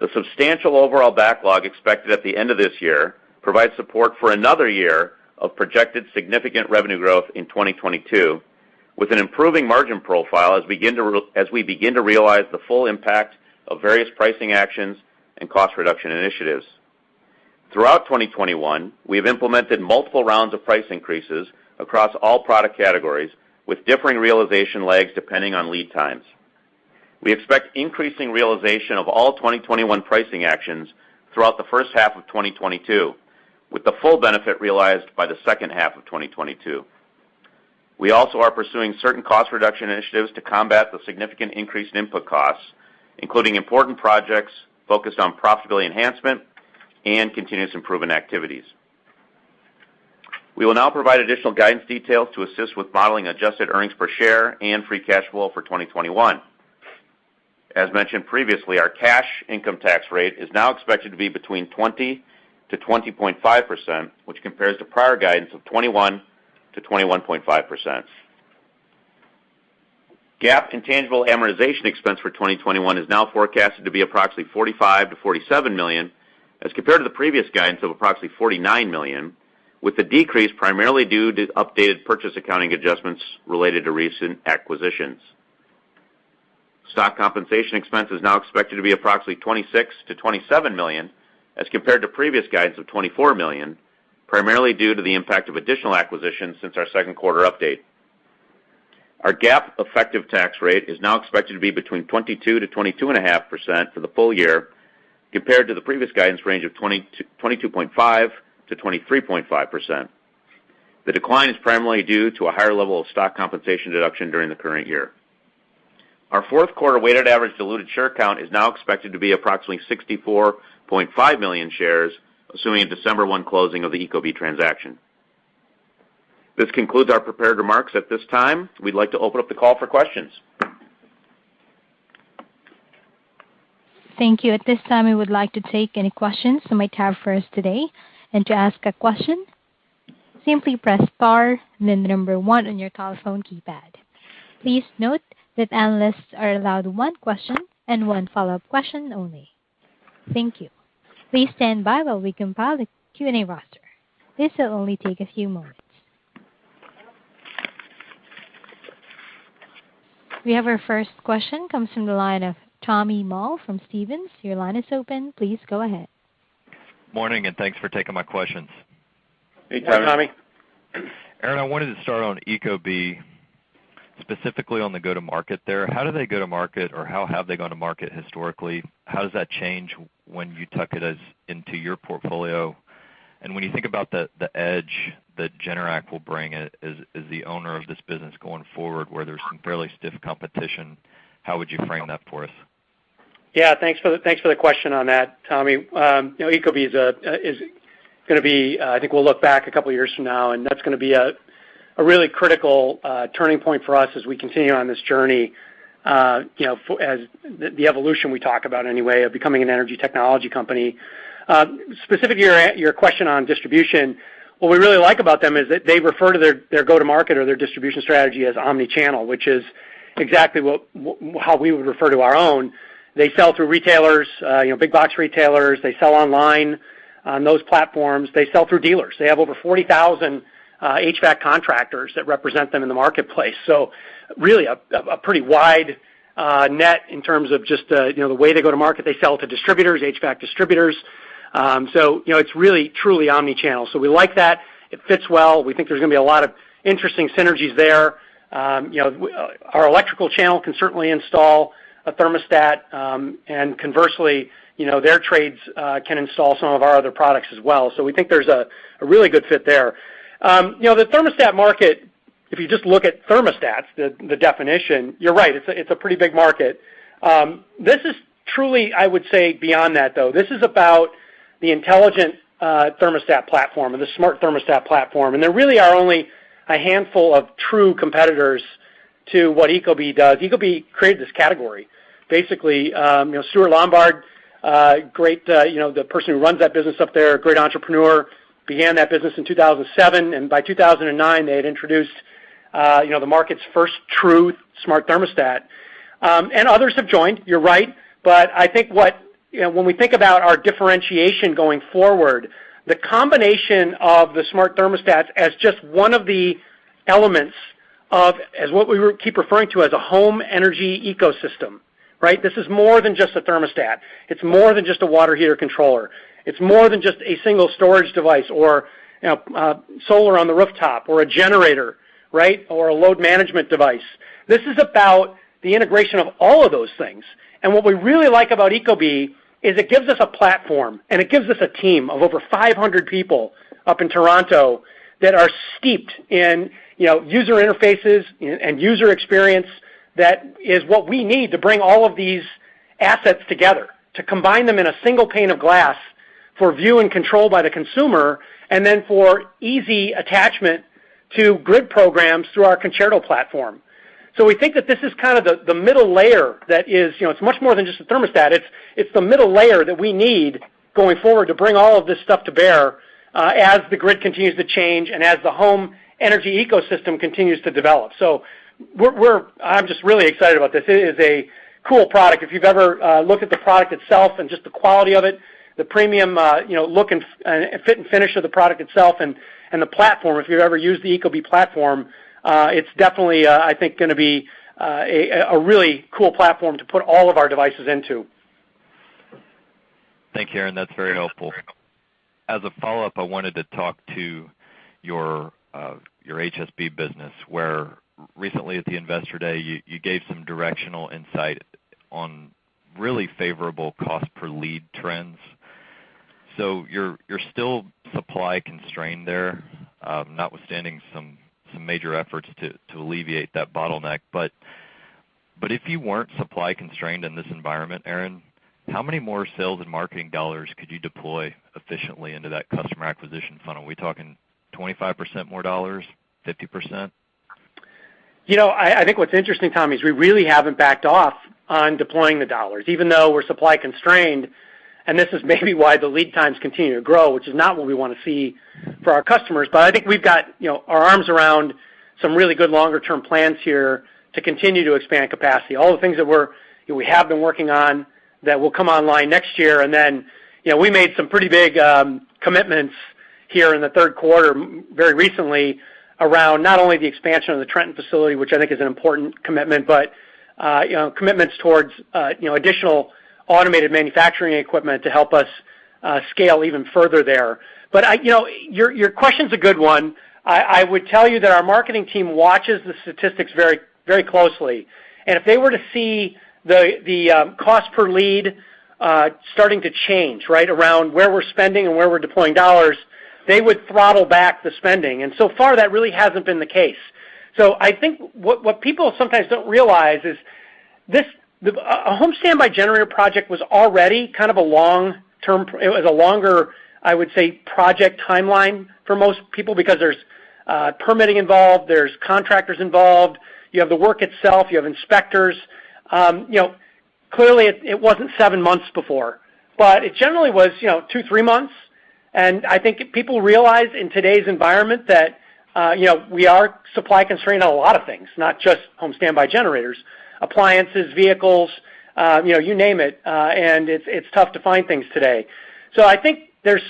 The substantial overall backlog expected at the end of this year provides support for another year of projected significant revenue growth in 2022 with an improving margin profile as we begin to realize the full impact of various pricing actions and cost reduction initiatives. Throughout 2021, we have implemented multiple rounds of price increases across all product categories with differing realization lags depending on lead times. We expect increasing realization of all 2021 pricing actions throughout the first half of 2022, with the full benefit realized by the second half of 2022. We also are pursuing certain cost reduction initiatives to combat the significant increase in input costs, including important projects focused on profitability enhancement and continuous improvement activities. We will now provide additional guidance details to assist with modeling adjusted earnings per share and free cash flow for 2021. As mentioned previously, our cash income tax rate is now expected to be between 20%-20.5%, which compares to prior guidance of 21%-21.5%. GAAP intangible amortization expense for 2021 is now forecasted to be approximately $45 million-$47 million, as compared to the previous guidance of approximately $49 million, with the decrease primarily due to updated purchase accounting adjustments related to recent acquisitions. Stock compensation expense is now expected to be approximately $26 million-$27 million as compared to previous guidance of $24 million, primarily due to the impact of additional acquisitions since our second quarter update. Our GAAP effective tax rate is now expected to be between 22%-22.5% for the full year, compared to the previous guidance range of 22.5%-23.5%. The decline is primarily due to a higher level of stock compensation deduction during the current year. Our fourth quarter weighted average diluted share count is now expected to be approximately 64.5 million shares, assuming a December 1 closing of the ecobee transaction. This concludes our prepared remarks. At this time, we'd like to open up the call for questions. Thank you. At this time, we would like to take any questions from my tab first today. To ask a question, simply press star and then number one on your telephone keypad. Please note that analysts are allowed one question and one follow-up question only. Thank you. Please stand by while we compile the Q&A roster. This will only take a few moments. We have our first question comes from the line of Tommy Moll from Stephens. Your line is open. Please go ahead. Morning, and thanks for taking my questions. Hey, Tommy. Aaron, I wanted to start on ecobee, specifically on the go-to-market there. How do they go to market or how have they gone to market historically? How does that change when you tuck it in to your portfolio? When you think about the edge that Generac will bring as the owner of this business going forward, where there's some fairly stiff competition, how would you frame that for us? Yeah. Thanks for the question on that, Tommy. You know, ecobee is going to be, I think we'll look back a couple of years from now, and that's going to be a really critical turning point for us as we continue on this journey. You know, as the evolution we talk about anyway of becoming an energy technology company. Specific to your question on distribution, what we really like about them is that they refer to their go-to market or their distribution strategy as omni-channel, which is exactly how we would refer to our own. They sell through retailers, big box retailers. They sell online on those platforms. They sell through dealers. They have over 40,000 HVAC contractors that represent them in the marketplace. Really a pretty wide net in terms of just the way they go to market. They sell to distributors, HVAC distributors. It's really truly omni-channel. We like that. It fits well. We think there's going to be a lot of interesting synergies there. You know, our electrical channel can certainly install a thermostat, and conversely, you know, their trades can install some of our other products as well. We think there's a really good fit there. You know, the thermostat market, if you just look at thermostats, the definition, you're right, it's a pretty big market. This is truly, I would say, beyond that, though. This is about the intelligent thermostat platform and the smart thermostat platform, and there really are only a handful of true competitors to what ecobee does. ecobee created this category. Basically, you know, Stuart Lombard, great, you know, the person who runs that business up there, a great entrepreneur, began that business in 2007, and by 2009, they had introduced, you know, the market's first true smart thermostat. Others have joined, you're right, but I think what, you know, when we think about our differentiation going forward, the combination of the smart thermostats as just one of the elements of as what we keep referring to as a home energy ecosystem, right? This is more than just a thermostat. It's more than just a water heater controller. It's more than just a single storage device or, you know, solar on the rooftop or a generator, right, or a load management device. This is about the integration of all of those things. What we really like about ecobee is it gives us a platform, and it gives us a team of over 500 people up in Toronto that are steeped in, you know, user interfaces and user experience that is what we need to bring all of these assets together, to combine them in a single pane of glass for view and control by the consumer, and then for easy attachment to grid programs through our Concerto platform. We think that this is kind of the middle layer that is, you know, it's much more than just a thermostat. It's the middle layer that we need going forward to bring all of this stuff to bear, as the grid continues to change and as the home energy ecosystem continues to develop. We're really excited about this. It is a cool product. If you've ever looked at the product itself and just the quality of it, the premium, you know, look and fit and finish of the product itself and the platform, if you've ever used the ecobee platform, it's definitely, I think going to be a really cool platform to put all of our devices into. Thank you, Aaron. That's very helpful. As a follow-up, I wanted to talk to your HSB business, where recently at the Investor Day, you gave some directional insight on really favorable cost per lead trends. You're still supply constrained there, notwithstanding some major efforts to alleviate that bottleneck. If you weren't supply constrained in this environment, Aaron, how many more sales and marketing dollars could you deploy efficiently into that customer acquisition funnel? Are we talking 25% more dollars, 50%? You know, I think what's interesting, Tommy, is we really haven't backed off on deploying the dollars even though we're supply constrained, and this is maybe why the lead times continue to grow, which is not what we want to see for our customers. I think we've got, you know, our arms around some really good longer term plans here to continue to expand capacity. All the things that we're, you know, we have been working on that will come online next year. You know, we made some pretty big commitments here in the third quarter very recently around not only the expansion of the Trenton facility, which I think is an important commitment, but, you know, commitments towards, you know, additional automated manufacturing equipment to help us scale even further there. You know, your question's a good one. I would tell you that our marketing team watches the statistics very, very closely. If they were to see the cost per lead starting to change, right, around where we're spending and where we're deploying dollars, they would throttle back the spending. So far, that really hasn't been the case. I think what people sometimes don't realize is this a home standby generator project was already kind of a long-term. It was a longer, I would say, project timeline for most people because there's permitting involved, there's contractors involved, you have the work itself, you have inspectors. You know, clearly it wasn't seven months before, but it generally was, you know, two, three months. I think if people realize in today's environment that, you know, we are supply constrained on a lot of things, not just home standby generators, appliances, vehicles, you know, you name it, and it's tough to find things today. I think there's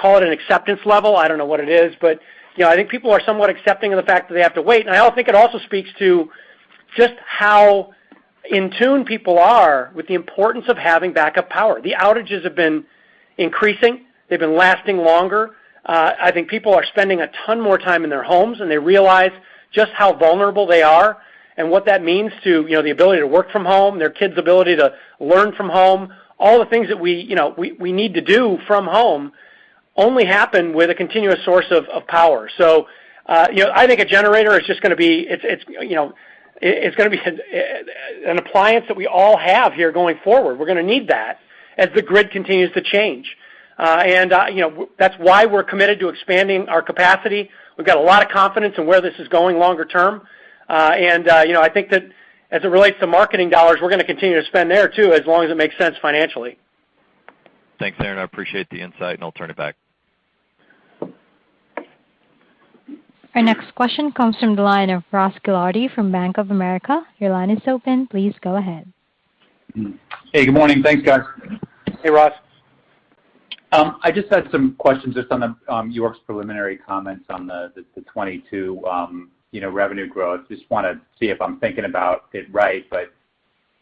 call it an acceptance level. I don't know what it is, but, you know, I think people are somewhat accepting of the fact that they have to wait. I think it also speaks to just how in tune people are with the importance of having backup power. The outages have been increasing. They've been lasting longer. I think people are spending a ton more time in their homes, and they realize just how vulnerable they are and what that means to, you know, the ability to work from home, their kids' ability to learn from home. All the things that we need to do from home only happen with a continuous source of power. I think a generator is just going to be an appliance that we all have here going forward. We're going to need that as the grid continues to change. That's why we're committed to expanding our capacity. We've got a lot of confidence in where this is going longer term. I think that as it relates to marketing dollars, we're going to continue to spend there, too, as long as it makes sense financially. Thanks, Aaron. I appreciate the insight, and I'll turn it back. Our next question comes from the line of Ross Gilardi from Bank of America. Your line is open. Please go ahead. Hey, good morning. Thanks, guys. Hey, Ross. I just had some questions just on York's preliminary comments on the 2022, you know, revenue growth. Just want to see if I'm thinking about it right.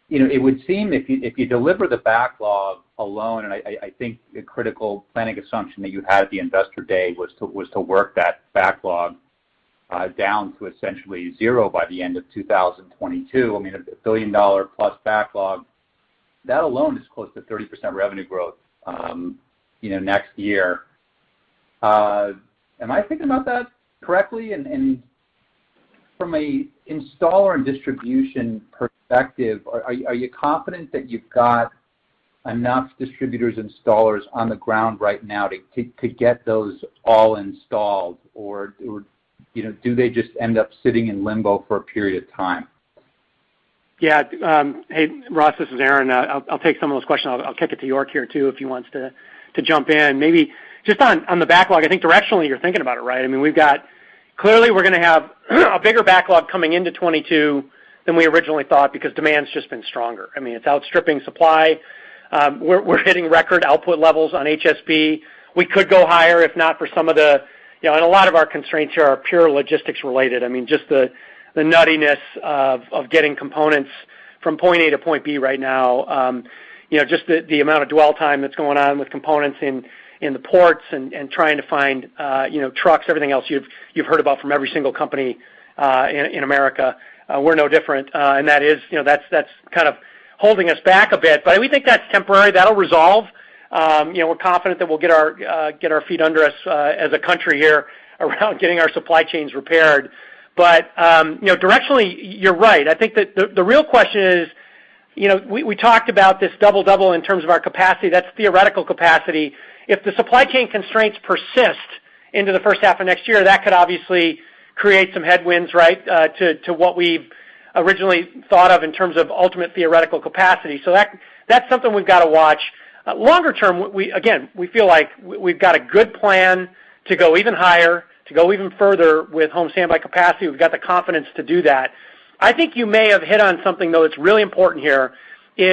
You know, it would seem if you deliver the backlog alone, and I think the critical planning assumption that you had at the Investor Day was to work that backlog down to essentially zero by the end of 2022. I mean, a $1+ billion backlog, that alone is close to 30% revenue growth, you know, next year. Am I thinking about that correctly? From a installer and distribution perspective, are you confident that you've got enough distributors and installers on the ground right now to get those all installed or, you know, do they just end up sitting in limbo for a period of time? Yeah. Hey, Ross, this is Aaron. I'll take some of those questions. I'll kick it to York here too if he wants to jump in. Maybe just on the backlog, I think directionally you're thinking about it right. I mean, clearly we're going to have a bigger backlog coming into 2022 than we originally thought because demand's just been stronger. I mean, it's outstripping supply. We're hitting record output levels on HSB. We could go higher if not for some of the constraints. You know, and a lot of our constraints here are pure logistics related. I mean, just the nuttiness of getting components from point A to point B right now, you know, just the amount of dwell time that's going on with components in the ports and trying to find, you know, trucks, everything else you've heard about from every single company in America, we're no different. That is, you know, that's kind of holding us back a bit. We think that's temporary. That'll resolve. You know, we're confident that we'll get our feet under us as a country here around getting our supply chains repaired. You know, directionally, you're right. I think that the real question is, you know, we talked about this double-double in terms of our capacity. That's theoretical capacity. If the supply chain constraints persist into the first half of next year, that could obviously create some headwinds, right, to what we've originally thought of in terms of ultimate theoretical capacity. That’s something we’ve got to watch. Longer term, we again feel like we’ve got a good plan to go even higher, to go even further with home standby capacity. We’ve got the confidence to do that. I think you may have hit on something, though, that’s really important here,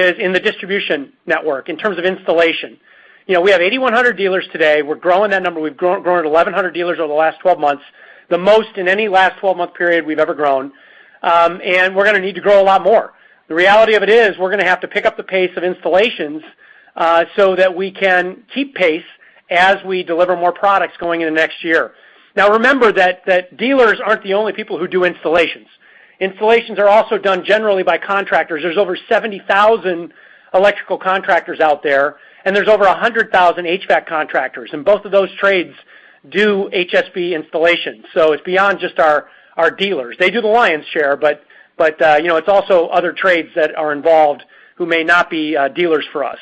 is in the distribution network in terms of installation. You know, we have 8,100 dealers today. We’re growing that number. We’ve grown it 1,100 dealers over the last 12 months, the most in any last 12-month period we’ve ever grown. We’re going to need to grow a lot more. The reality of it is we're going to have to pick up the pace of installations, so that we can keep pace as we deliver more products going into next year. Now remember that dealers aren't the only people who do installations. Installations are also done generally by contractors. There's over 70,000 electrical contractors out there, and there's over 100,000 HVAC contractors, and both of those trades do HSB installations. It's beyond just our dealers. They do the lion's share, but you know, it's also other trades that are involved who may not be dealers for us.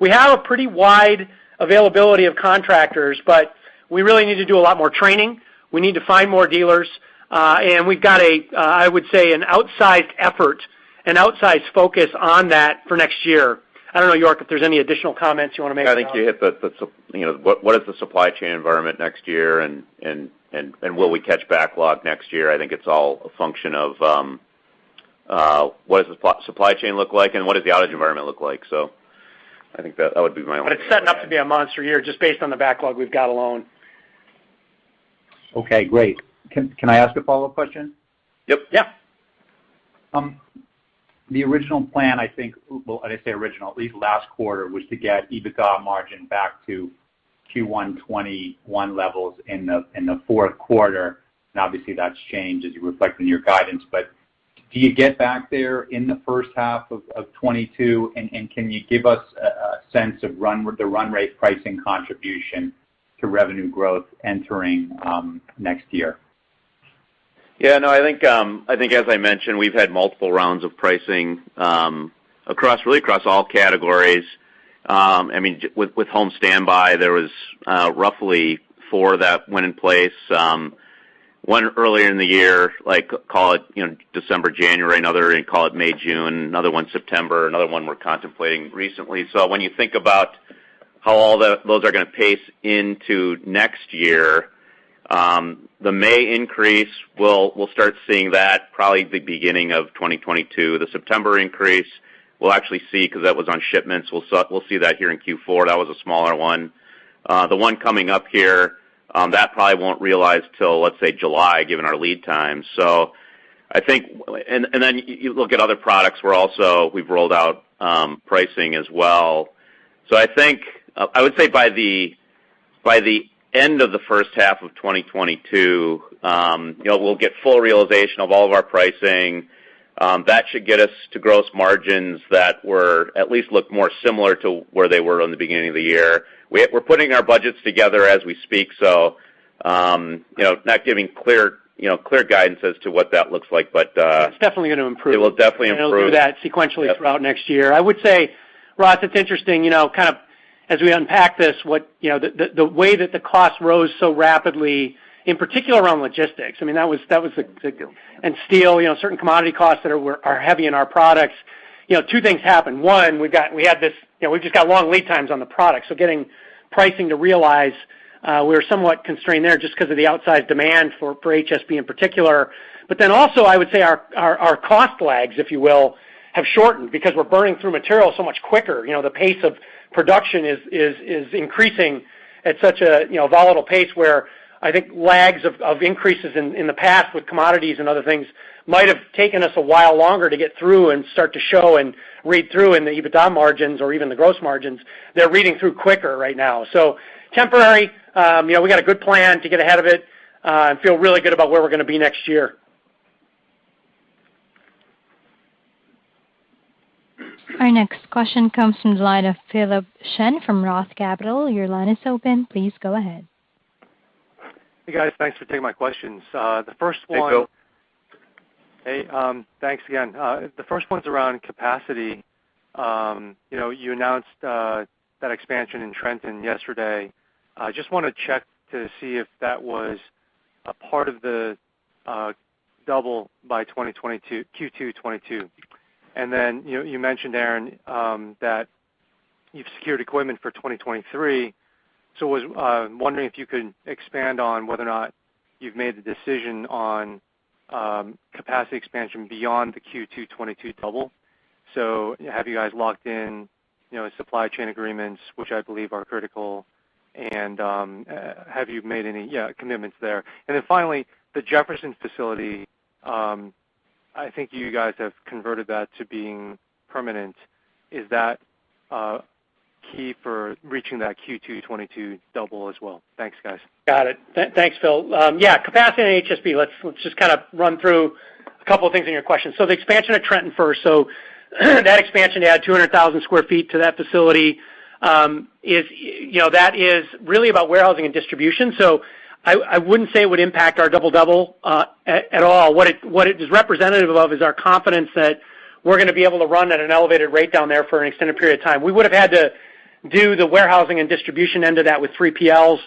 We have a pretty wide availability of contractors, but we really need to do a lot more training. We need to find more dealers, and we've got a, I would say an outsized effort, an outsized focus on that for next year. I don't know, York, if there's any additional comments you want to make. I think you hit the you know what is the supply chain environment next year and will we catch backlog next year? I think it's all a function of what does the supply chain look like and what does the outage environment look like. I think that would be my only remarks It's setting up to be a monster year just based on the backlog we've got alone. Okay, great. Can I ask a follow-up question? Yes. Yeah. The original plan, I think, well, I say original, at least last quarter, was to get EBITDA margin back to Q1 2021 levels in the fourth quarter, and obviously that's changed as you reflect in your guidance. Do you get back there in the first half of 2022, and can you give us a sense of the run rate pricing contribution to revenue growth entering next year? Yeah, no, I think, I think as I mentioned, we've had multiple rounds of pricing, across, really across all categories. I mean, with home standby, there was roughly four that went in place, one earlier in the year, like call it, you know, December, January, another call it May, June, another one September, another one we're contemplating recently. So when you think about how those are going to pace into next year, the May increase we'll start seeing that probably the beginning of 2022. The September increase we'll actually see, because that was on shipments, we'll see that here in Q4. That was a smaller one. The one coming up here, that probably won't realize till, let's say, July given our lead time. So I think. Then you look at other products. We've rolled out pricing as well. I think I would say by the end of the first half of 2022, you know, we'll get full realization of all of our pricing. That should get us to gross margins that at least look more similar to where they were in the beginning of the year. We're putting our budgets together as we speak. You know, not giving clear guidance as to what that looks like, but It's definitely going to improve. It will definitely improve. It'll do that sequentially throughout next year. I would say, Ross, it's interesting, you know, kind of as we unpack this, what you know, the way that the cost rose so rapidly, in particular around logistics, I mean, that was the steel, you know, certain commodity costs that are heavy in our products. You know, two things happened. One, we've just got long lead times on the product, so getting pricing to realize, we were somewhat constrained there just because of the outsized demand for HSB in particular. But then also I would say our cost lags, if you will, have shortened because we're burning through material so much quicker. You know, the pace of production is increasing at such a you know volatile pace where I think lags of increases in the past with commodities and other things might have taken us a while longer to get through and start to show and read through in the EBITDA margins or even the gross margins. They're reading through quicker right now. Temporary, you know, we've got a good plan to get ahead of it and feel really good about where we're going to be next year. Our next question comes from the line of Philip Shen from Roth Capital. Your line is open. Please go ahead. Hey, guys. Thanks for taking my questions. The first one. Hey, Phil. Hey, thanks again. The first one's around capacity. You know, you announced that expansion in Trenton yesterday. I just want to check to see if that was a part of the double by 2022, Q2 2022. You mentioned, Aaron, that you've secured equipment for 2023. I was wondering if you could expand on whether or not you've made the decision on capacity expansion beyond the Q2 2022 double. Have you guys locked in, you know, supply chain agreements, which I believe are critical, and have you made any, yeah, commitments there? Finally, the Jefferson facility, I think you guys have converted that to being permanent. Is that key for reaching that Q2 2022 double as well? Thanks, guys. Got it. Thanks, Phil. Yeah, capacity and HSB. Let's just kind of run through a couple of things in your question. The expansion of Trenton first. That expansion to add 200,000 sq ft to that facility, you know, that is really about warehousing and distribution. I wouldn't say it would impact our double-double at all. What it is representative of is our confidence that we're going to be able to run at an elevated rate down there for an extended period of time. We would have had to do the warehousing and distribution end of that with 3PLs.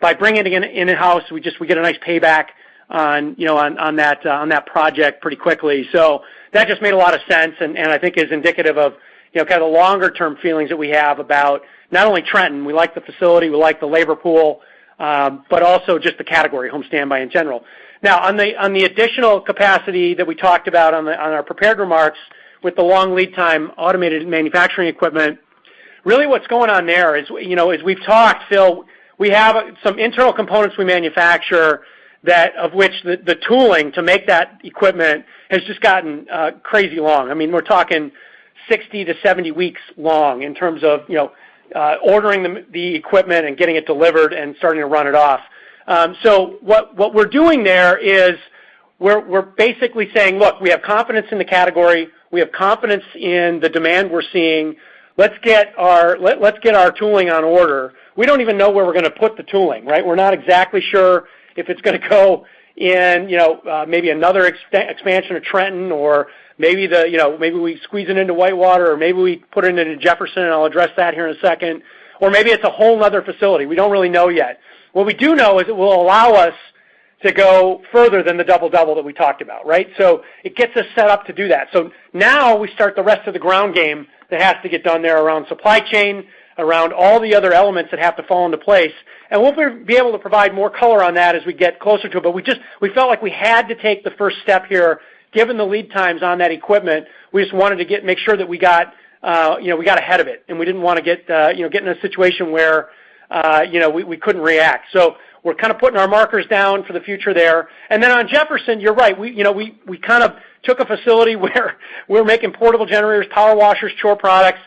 By bringing it in-house, we just get a nice payback on, you know, on that project pretty quickly. That just made a lot of sense and I think is indicative of, you know, kind of the longer term feelings that we have about not only Trenton. We like the facility. We like the labor pool, but also just the category home standby in general. Now, on the additional capacity that we talked about on our prepared remarks with the long lead time automated manufacturing equipment, really what's going on there is, you know, as we've talked, Phil, we have some internal components we manufacture that of which the tooling to make that equipment has just gotten crazy long. I mean, we're talking 60-70 weeks long in terms of, you know, ordering the equipment and getting it delivered and starting to run it off. What we're doing there is we're basically saying, "Look, we have confidence in the category. We have confidence in the demand we're seeing. Let's get our tooling on order." We don't even know where we're going to put the tooling, right? We're not exactly sure if it's going to go in, you know, maybe another extra expansion of Trenton or maybe we squeeze it into Whitewater or maybe we put it into Jefferson, and I'll address that here in a second. Maybe it's a whole 'nother facility. We don't really know yet. What we do know is it will allow us to go further than the double-double that we talked about, right? It gets us set up to do that. Now we start the rest of the ground game that has to get done there around supply chain, around all the other elements that have to fall into place. We'll be able to provide more color on that as we get closer to it. But we felt like we had to take the first step here, given the lead times on that equipment. We just wanted to make sure that we got, you know, we got ahead of it, and we didn't want to get, you know, get in a situation where, you know, we couldn't react. We're kind of putting our markers down for the future there. Then on Jefferson, you're right. We, you know, kind of took a facility where we're making portable generators, power washers, core products,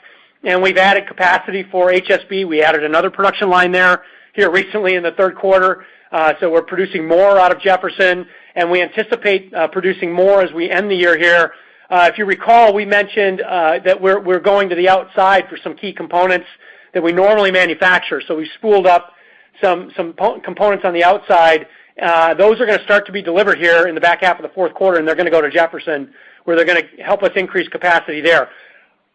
and we've added capacity for HSB. We added another production line there recently in the third quarter. So we're producing more out of Jefferson, and we anticipate producing more as we end the year here. If you recall, we mentioned that we're going to the outside for some key components that we normally manufacture. So we spooled up some non-components on the outside. Those are going to start to be delivered here in the back half of the fourth quarter, and they're going to go to Jefferson, where they're going to help us increase capacity there.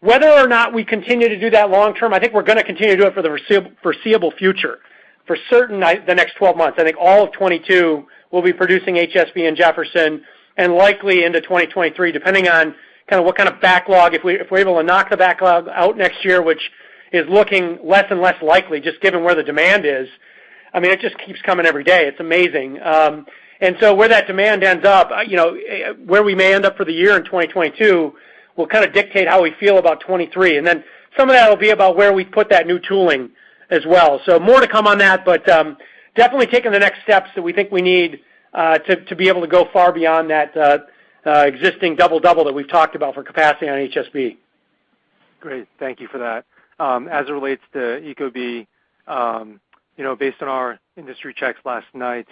Whether or not we continue to do that long term, I think we're going to continue to do it for the foreseeable future. For certain, the next 12 months, I think all of 2022 will be producing HSB in Jefferson and likely into 2023, depending on kind of what kind of backlog. If we're able to knock the backlog out next year, which is looking less and less likely just given where the demand is, I mean, it just keeps coming every day. It's amazing. Where that demand ends up, you know, where we may end up for the year in 2022 will kind of dictate how we feel about 2023. Then some of that will be about where we put that new tooling as well. More to come on that, but definitely taking the next steps that we think we need to be able to go far beyond that existing double-double that we've talked about for capacity on HSB. Great. Thank you for that. As it relates to ecobee, you know, based on our industry checks last night.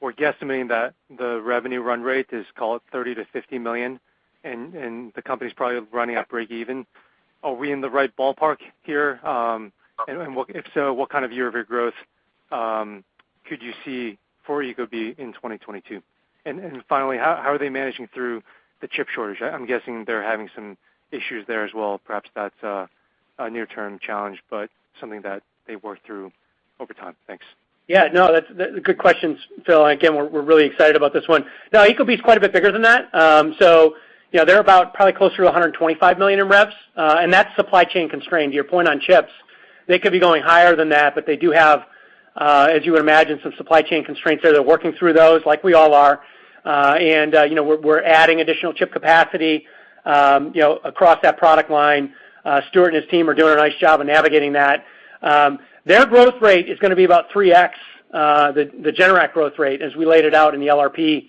We're guesstimating that the revenue run rate is, call it, $30 million-$50 million, and the company's probably running at breakeven. Are we in the right ballpark here? If so, what kind of year-over-year growth could you see for ecobee in 2022? Finally, how are they managing through the chip shortage? I'm guessing they're having some issues there as well. Perhaps that's a near-term challenge, but something that they work through over time. Thanks. Yeah, no, that's good questions, Philip. Again, we're really excited about this one. No, ecobee is quite a bit bigger than that. You know, they're about probably closer to $125 million in revs, and that's supply chain constrained. To your point on chips, they could be going higher than that, but they do have, as you would imagine, some supply chain constraints there. They're working through those like we all are. You know, we're adding additional chip capacity, you know, across that product line. Stuart and his team are doing a nice job of navigating that. Their growth rate is going to be about 3x the Generac growth rate, as we laid it out in the LRP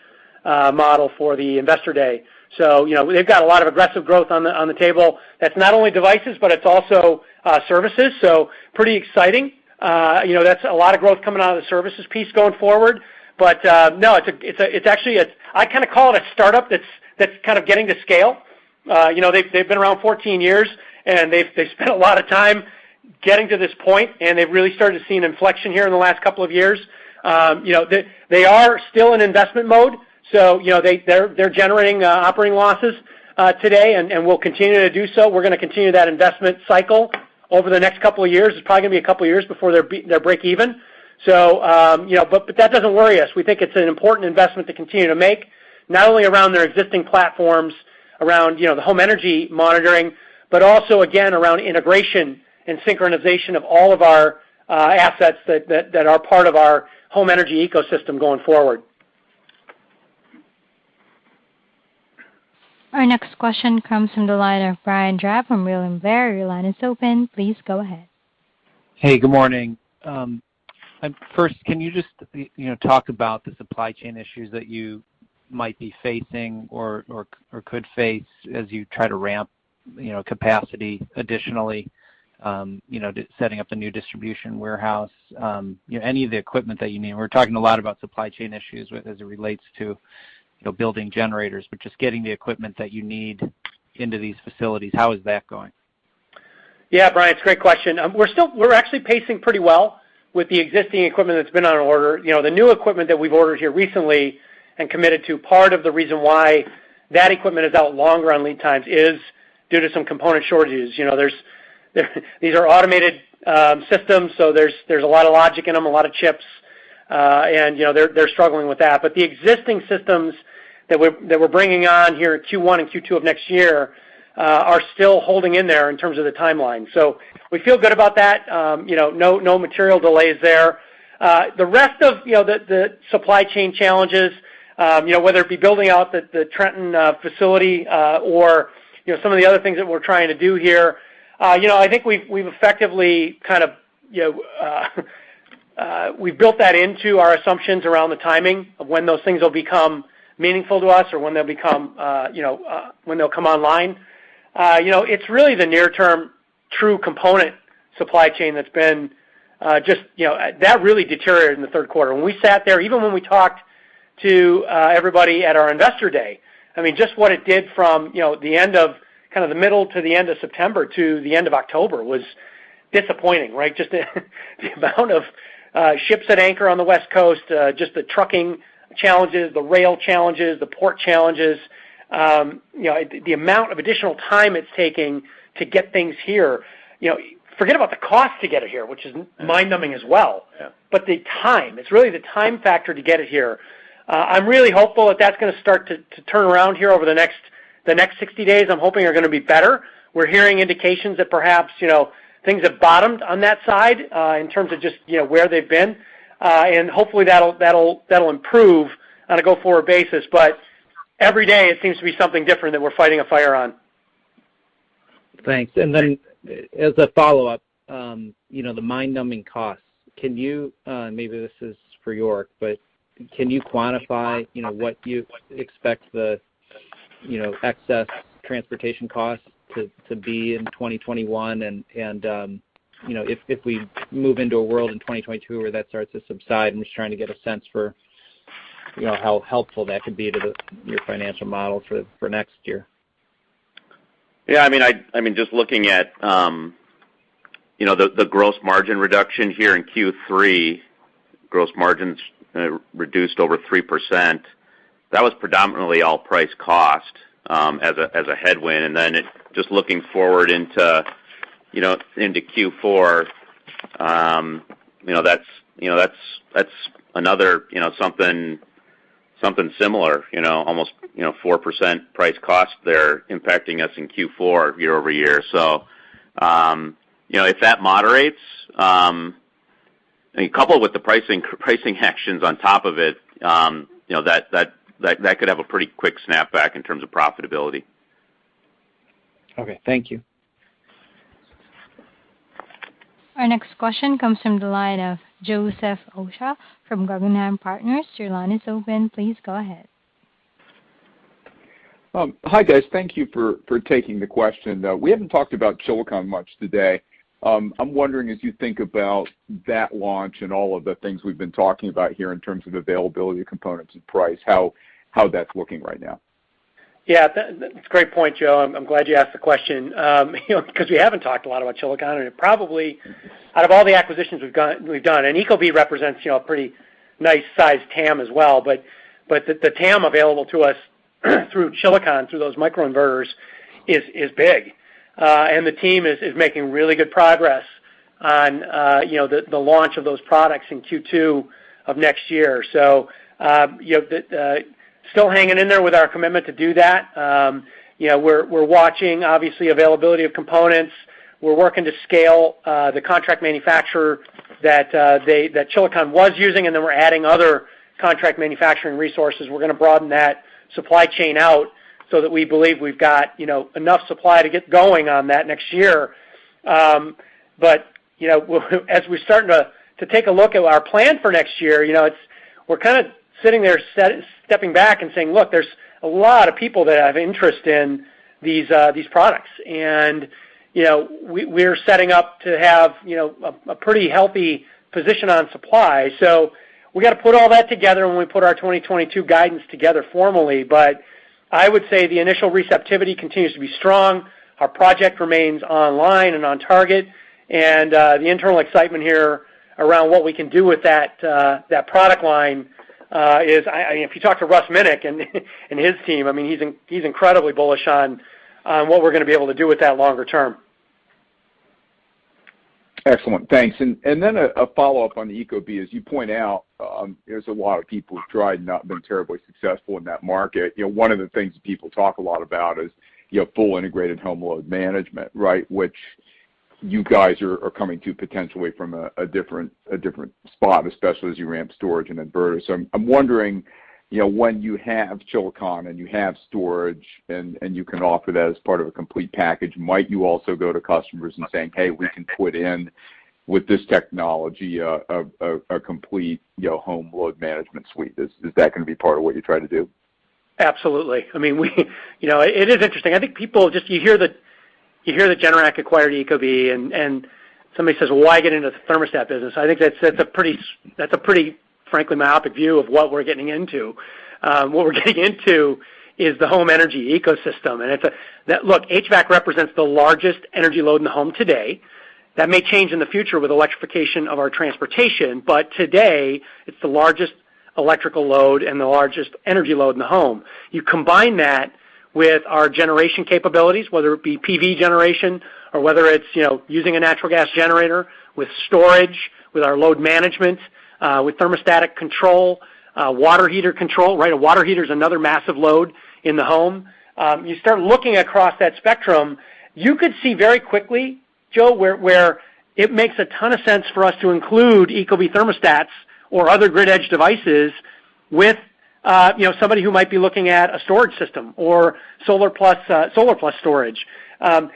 model for the Investor Day. You know, they've got a lot of aggressive growth on the table. That's not only devices, but it's also services. Pretty exciting. You know, that's a lot of growth coming out of the services piece going forward. No, it's actually a—I kind of call it a startup that's kind of getting to scale. You know, they've been around 14 years, and they've spent a lot of time getting to this point, and they've really started to see an inflection here in the last couple of years. You know, they are still in investment mode, so you know, they're generating operating losses today and will continue to do so. We're going to continue that investment cycle over the next couple of years. It's probably going to be a couple of years before they're breakeven. You know, but that doesn't worry us. We think it's an important investment to continue to make, not only around their existing platforms, around, you know, the home energy monitoring, but also again, around integration and synchronization of all of our assets that are part of our home energy ecosystem going forward. Our next question comes from the line of Brian Drab from William Blair. Your line is open. Please go ahead. Hey, good morning. First, can you just, you know, talk about the supply chain issues that you might be facing or could face as you try to ramp, you know, capacity additionally, to setting up the new distribution warehouse, you know, any of the equipment that you need. We're talking a lot about supply chain issues with as it relates to, you know, building generators, but just getting the equipment that you need into these facilities, how is that going? Yeah, Brian, it's a great question. We're actually pacing pretty well with the existing equipment that's been on order. You know, the new equipment that we've ordered here recently and committed to, part of the reason why that equipment is out longer on lead times is due to some component shortages. You know, these are automated systems, so there's a lot of logic in them, a lot of chips, and, you know, they're struggling with that. But the existing systems that we're bringing on here Q1 and Q2 of next year are still holding in there in terms of the timeline. So we feel good about that. You know, no material delays there. The rest of, you know, the supply chain challenges, you know, whether it be building out the Trenton facility or, you know, some of the other things that we're trying to do here, you know, I think we've effectively kind of, you know, built that into our assumptions around the timing of when those things will become meaningful to us or when they'll become, you know, when they'll come online. You know, it's really the near-term throughput component supply chain that's been just, you know, that really deteriorated in the third quarter. When we sat there, even when we talked to everybody at our Investor Day, I mean, just what it did from, you know, the end of kind of the middle to the end of September to the end of October was disappointing, right? Just the amount of ships that anchor on the West Coast, just the trucking challenges, the rail challenges, the port challenges, you know, the amount of additional time it's taking to get things here. You know, forget about the cost to get it here, which is mind-numbing as well. Yeah. The time. It's really the time factor to get it here. I'm really hopeful that that's going to start to turn around here over the next 60 days. I'm hoping they're going to be better. We're hearing indications that perhaps, you know, things have bottomed on that side, in terms of just, you know, where they've been. And hopefully that'll improve on a go-forward basis. Every day it seems to be something different that we're fighting a fire on. Thanks. As a follow-up, you know, the mind-numbing costs, can you, maybe this is for York, but can you quantify, you know, what you expect the, you know, excess transportation costs to be in 2021? If we move into a world in 2022 where that starts to subside, I'm just trying to get a sense for, you know, how helpful that could be to your financial model for next year. I mean, just looking at, you know, the gross margin reduction here in Q3, gross margins reduced over 3%. That was predominantly all price cost as a headwind. Just looking forward into, you know, into Q4, you know, that's another, you know, something similar, you know, almost 4% price cost there impacting us in Q4 year-over-year. If that moderates and coupled with the pricing actions on top of it, you know, that could have a pretty quick snapback in terms of profitability. Okay, thank you. Our next question comes from the line of Joseph Osha from Guggenheim Partners. Your line is open. Please go ahead. Hi guys. Thank you for taking the question. We haven't talked about Chilicon much today. I'm wondering if you think about that launch and all of the things we've been talking about here in terms of availability of components and price, how that's looking right now. Yeah, that's a great point, Joe. I'm glad you asked the question you know because we haven't talked a lot about Chilicon. It probably out of all the acquisitions we've got we've done and ecobee represents you know a pretty nice sized TAM as well but the TAM available to us through Chilicon through those microinverters is big. The team is making really good progress on you know the launch of those products in Q2 of next year. You know still hanging in there with our commitment to do that. You know we're watching obviously availability of components. We're working to scale the contract manufacturer that Chilicon was using and then we're adding other contract manufacturing resources. We're going to broaden that supply chain out so that we believe we've got, you know, enough supply to get going on that next year. You know, we're starting to take a look at our plan for next year. You know, we're kind of sitting there stepping back and saying, "Look, there's a lot of people that have interest in these products." You know, we're setting up to have, you know, a pretty healthy position on supply. We got to put all that together when we put our 2022 guidance together formally. I would say the initial receptivity continues to be strong. Our project remains online and on target. The internal excitement here around what we can do with that product line is, I mean, if you talk to Russ Minnick and his team, I mean, he's incredibly bullish on what we're going to be able to do with that longer term. Excellent. Thanks. Then a follow-up on the ecobee. As you point out, there's a lot of people who've tried and not been terribly successful in that market. You know, one of the things people talk a lot about is, you know, full integrated home load management, right? Which you guys are coming to potentially from a different spot, especially as you ramp storage and inverters. I'm wondering, you know, when you have Chilicon, and you have storage, and you can offer that as part of a complete package, might you also go to customers and saying, "Hey, we can put in with this technology, a complete, you know, home load management suite." Is that going to be part of what you try to do? Absolutely. I mean, you know, it is interesting. I think people just hear that Generac acquired ecobee and somebody says, "Why get into the thermostat business?" I think that's a pretty frankly myopic view of what we're getting into. What we're getting into is the home energy ecosystem. Now look, HVAC represents the largest energy load in the home today. That may change in the future with electrification of our transportation, but today it's the largest electrical load and the largest energy load in the home. You combine that with our generation capabilities, whether it be PV generation or whether it's, you know, using a natural gas generator with storage, with our load management, with thermostatic control, water heater control, right? A water heater's another massive load in the home. You start looking across that spectrum, you could see very quickly, Joe, where it makes a ton of sense for us to include ecobee thermostats or other grid edge devices with, you know, somebody who might be looking at a storage system or solar plus storage.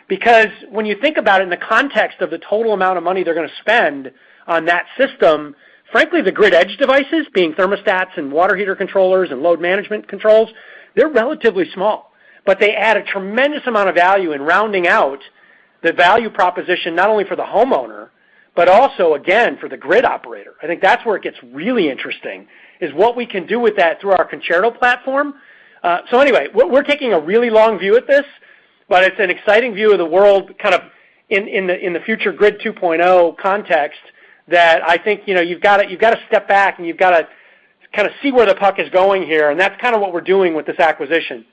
Because when you think about it in the context of the total amount of money they're going to spend on that system, frankly, the grid edge devices, being thermostats and water heater controllers and load management controls, they're relatively small, but they add a tremendous amount of value in rounding out the value proposition, not only for the homeowner, but also again, for the grid operator. I think that's where it gets really interesting, is what we can do with that through our Concerto platform. We're taking a really long view at this, but it's an exciting view of the world kind of in the future Grid 2.0 context that I think, you know, you've got to step back and you've got to kind of see where the puck is going here, and that's kind of what we're doing with this acquisition.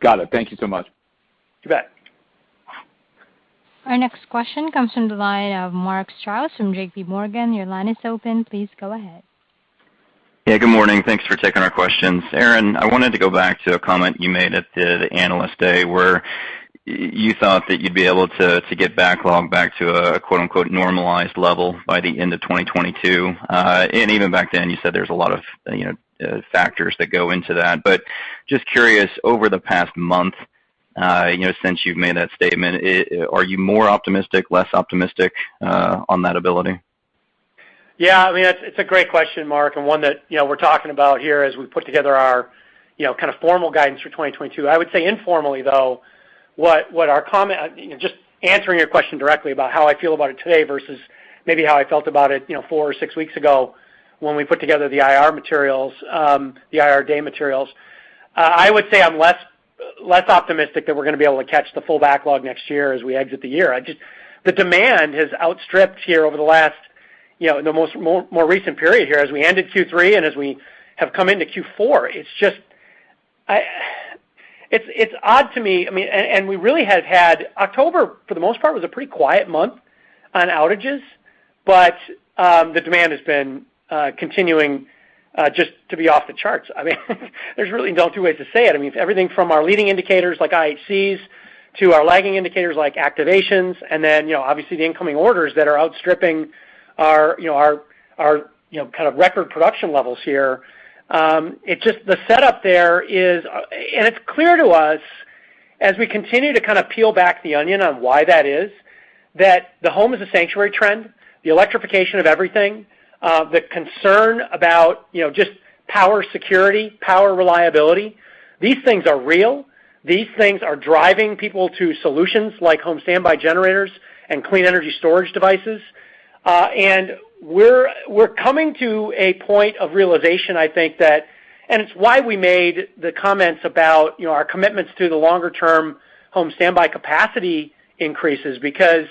Got it. Thank you so much. You bet. Our next question comes from the line of Mark Strouse from JPMorgan. Your line is open. Please go ahead. Yeah, good morning. Thanks for taking our questions. Aaron, I wanted to go back to a comment you made at the Analyst Day where you thought that you'd be able to get backlog back to a quote unquote normalized level by the end of 2022. Even back then you said there's a lot of, you know, factors that go into that. Just curious, over the past month, you know, since you've made that statement, are you more optimistic, less optimistic, on that ability? Yeah, I mean, it's a great question, Mark, and one that, you know, we're talking about here as we put together our, you know, kind of formal guidance for 2022. I would say informally though, you know, just answering your question directly about how I feel about it today versus maybe how I felt about it, you know, four or six weeks ago when we put together the IR materials, the IR day materials, I would say I'm less optimistic that we're going to be able to catch the full backlog next year as we exit the year. I just, the demand has outstripped here over the last, you know, in the most recent period here as we ended Q3 and as we have come into Q4. It's just, it's odd to me. I mean, we really have had October, for the most part, a pretty quiet month on outages, but the demand has been continuing just to be off the charts. I mean, there's really no two ways to say it. I mean, everything from our leading indicators like IHCs to our lagging indicators like activations and then, you know, obviously the incoming orders that are outstripping our kind of record production levels here. It's just the setup there is. It's clear to us as we continue to kind of peel back the onion on why that is, that the Home is a Sanctuary trend, the electrification of everything, the concern about just power security, power reliability, these things are real. These things are driving people to solutions like home standby generators and clean energy storage devices. We're coming to a point of realization, I think that it's why we made the comments about, you know, our commitments to the longer-term home standby capacity increases because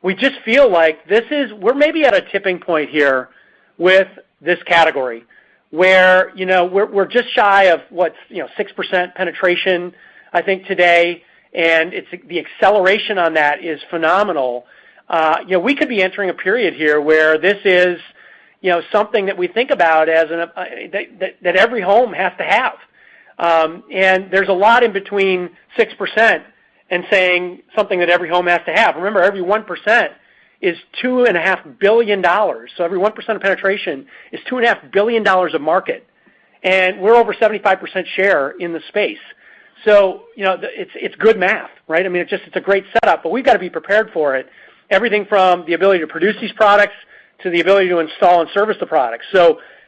we just feel like this is we're maybe at a tipping point here with this category, where, you know, we're just shy of what's, you know, 6% penetration, I think today. The acceleration on that is phenomenal. You know, we could be entering a period here where this is, you know, something that we think about that every home has to have. There's a lot in between 6% and saying something that every home has to have. Remember, every 1% is $2.5 billion. Every 1% of penetration is $2.5 billion of market, and we're over 75% share in the space. You know, it's good math, right? I mean, it's just, it's a great setup, but we've got to be prepared for it. Everything from the ability to produce these products to the ability to install and service the products.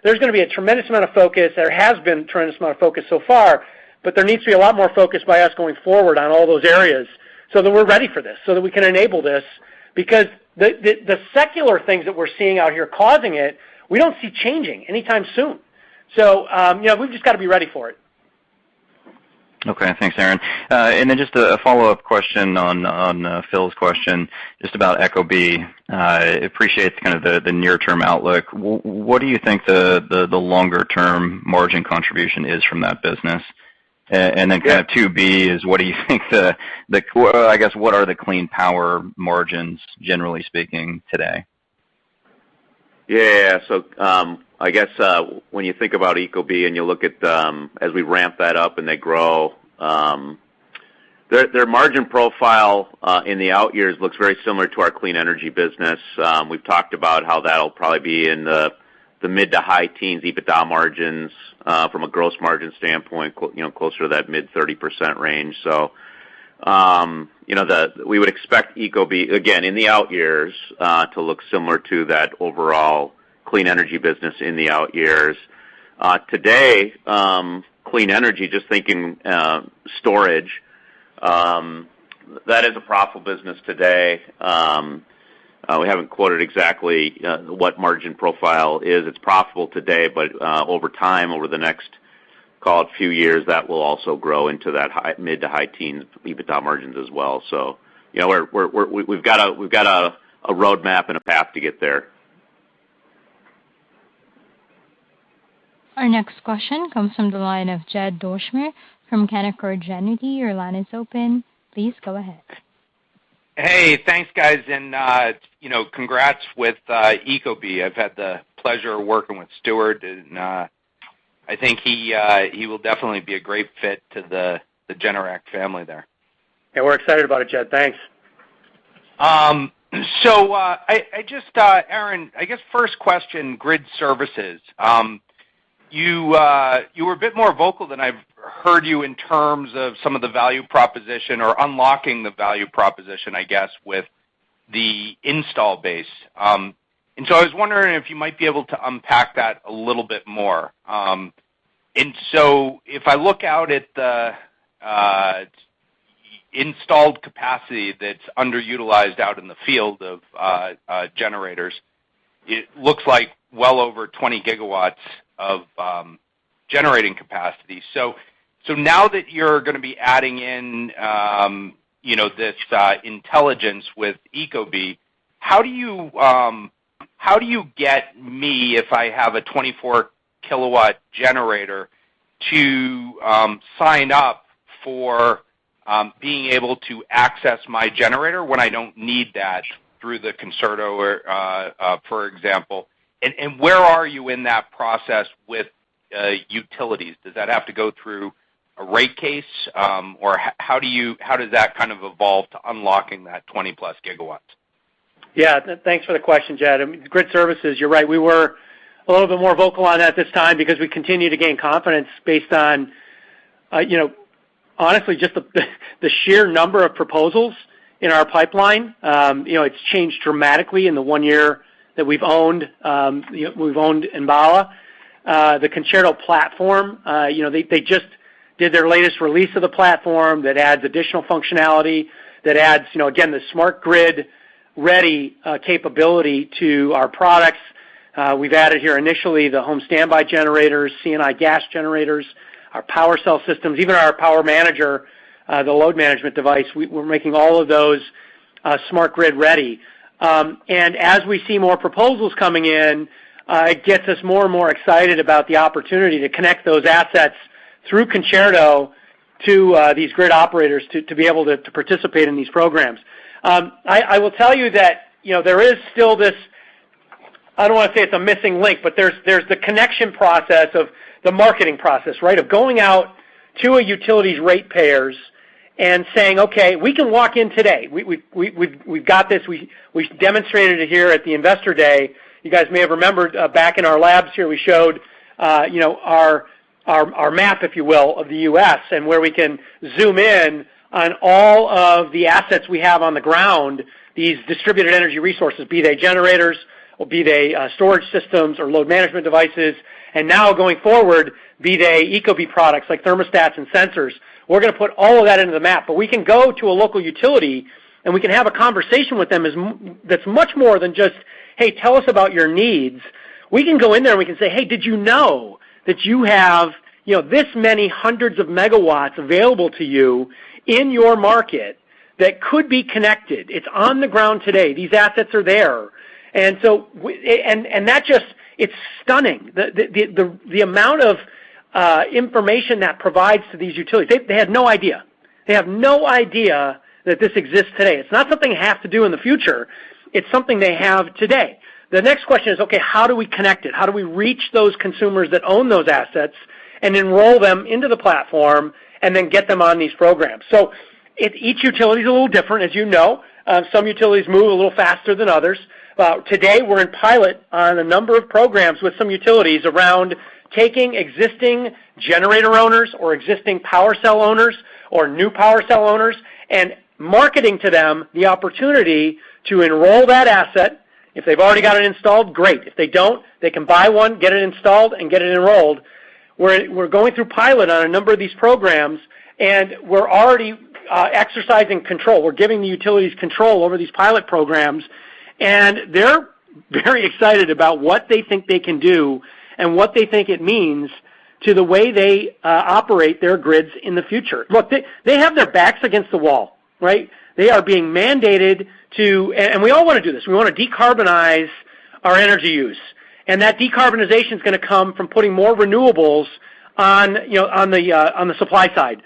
There's going to be a tremendous amount of focus. There has been a tremendous amount of focus so far, but there needs to be a lot more focus by us going forward on all those areas so that we're ready for this, so that we can enable this. Because the secular things that we're seeing out here causing it, we don't see changing anytime soon. You know, we've just got to be ready for it. Okay. Thanks, Aaron. Just a follow-up question on Philip's question, just about ecobee. I appreciate kind of the near-term outlook. What do you think the longer-term margin contribution is from that business? Kind of 2B is what do you think or, I guess, what are the clean power margins generally speaking today? Yeah. I guess when you think about ecobee and you look at them as we ramp that up and they grow, their margin profile in the out years looks very similar to our clean energy business. We've talked about how that'll probably be in the mid- to high-teens EBITDA margins, you know, from a gross margin standpoint closer to that mid-30% range. You know, we would expect ecobee, again, in the out years, to look similar to that overall clean energy business in the out years. Today, clean energy, just thinking storage, is a profitable business today. We haven't quoted exactly what margin profile is. It's profitable today, but over time, over the next, call it, few years, that will also grow into that mid-to-high teens EBITDA margins as well. You know, we've got a roadmap and a path to get there. Our next question comes from the line of Jed Dorsheimer from Canaccord Genuity. Your line is open. Please go ahead. Hey, thanks, guys. You know, congrats with ecobee. I've had the pleasure of working with Stuart, and I think he will definitely be a great fit to the Generac family there. Yeah, we're excited about it, Jed. Thanks. I just, Aaron, I guess first question, grid services. You were a bit more vocal than I've heard you in terms of some of the value proposition or unlocking the value proposition, I guess, with the install base. I was wondering if you might be able to unpack that a little bit more. If I look out at the installed capacity that's underutilized out in the field of generators, it looks like well over 20 GW of generating capacity. Now that you're going to be adding in you know this intelligence with ecobee, how do you get me, if I have a 24 kW generator, to sign up for being able to access my generator when I don't need that through the Concerto, for example? Where are you in that process with utilities? Does that have to go through a rate case? Or how does that kind of evolve to unlocking that 20+ GW? Yeah. Thanks for the question, Jed. I mean, grid services, you're right. We were a little bit more vocal on that this time because we continue to gain confidence based on, you know, honestly just the sheer number of proposals in our pipeline. You know, it's changed dramatically in the one year that we've owned, you know, we've owned Enbala. The Concerto platform, you know, they just did their latest release of the platform that adds additional functionality, that adds, you know, again, the smart grid-ready capability to our products. We've added here initially the home standby generators, C&I gas generators, our PWRcell systems, even our PWRmanager, the load management device, we're making all of those, smart grid ready. As we see more proposals coming in, it gets us more and more excited about the opportunity to connect those assets through Concerto to these grid operators to be able to participate in these programs. I will tell you that, you know, there is still this, I don't want to say it's a missing link, but there's the connection process of the marketing process, right? Of going out to a utility's ratepayers and saying, "Okay, we can walk in today. We've got this. We demonstrated it here at the Investor Day. You guys may have remembered back in our labs here, we showed you know, our map, if you will, of the U.S., and where we can zoom in on all of the assets we have on the ground, these distributed energy resources, be they generators or be they storage systems or load management devices. Now going forward, be they ecobee products like thermostats and sensors. We're going to put all of that into the map. We can go to a local utility, and we can have a conversation with them as that's much more than just, "Hey, tell us about your needs." We can go in there and we can say, "Hey, did you know that you have you know, this many hundreds of megawatts available to you in your market that could be connected? It's on the ground today. These assets are there." It's stunning. The amount of information that provides to these utilities. They had no idea. They have no idea that this exists today. It's not something they have to do in the future, it's something they have today. The next question is, okay, how do we connect it? How do we reach those consumers that own those assets and enroll them into the platform and then get them on these programs? If each utility is a little different, as you know, some utilities move a little faster than others. Today, we're in pilot on a number of programs with some utilities around taking existing generator owners or existing PWRcell owners or new PWRcell owners, and marketing to them the opportunity to enroll that asset. If they've already got it installed, great. If they don't, they can buy one, get it installed, and get it enrolled. We're going through pilot on a number of these programs, and we're already exercising control. We're giving the utilities control over these pilot programs, and they're very excited about what they think they can do and what they think it means to the way they operate their grids in the future. Look, they have their backs against the wall, right? They are being mandated to... We all want to do this. We want to decarbonize our energy use. That decarbonization is going to come from putting more renewables on, you know, on the supply side.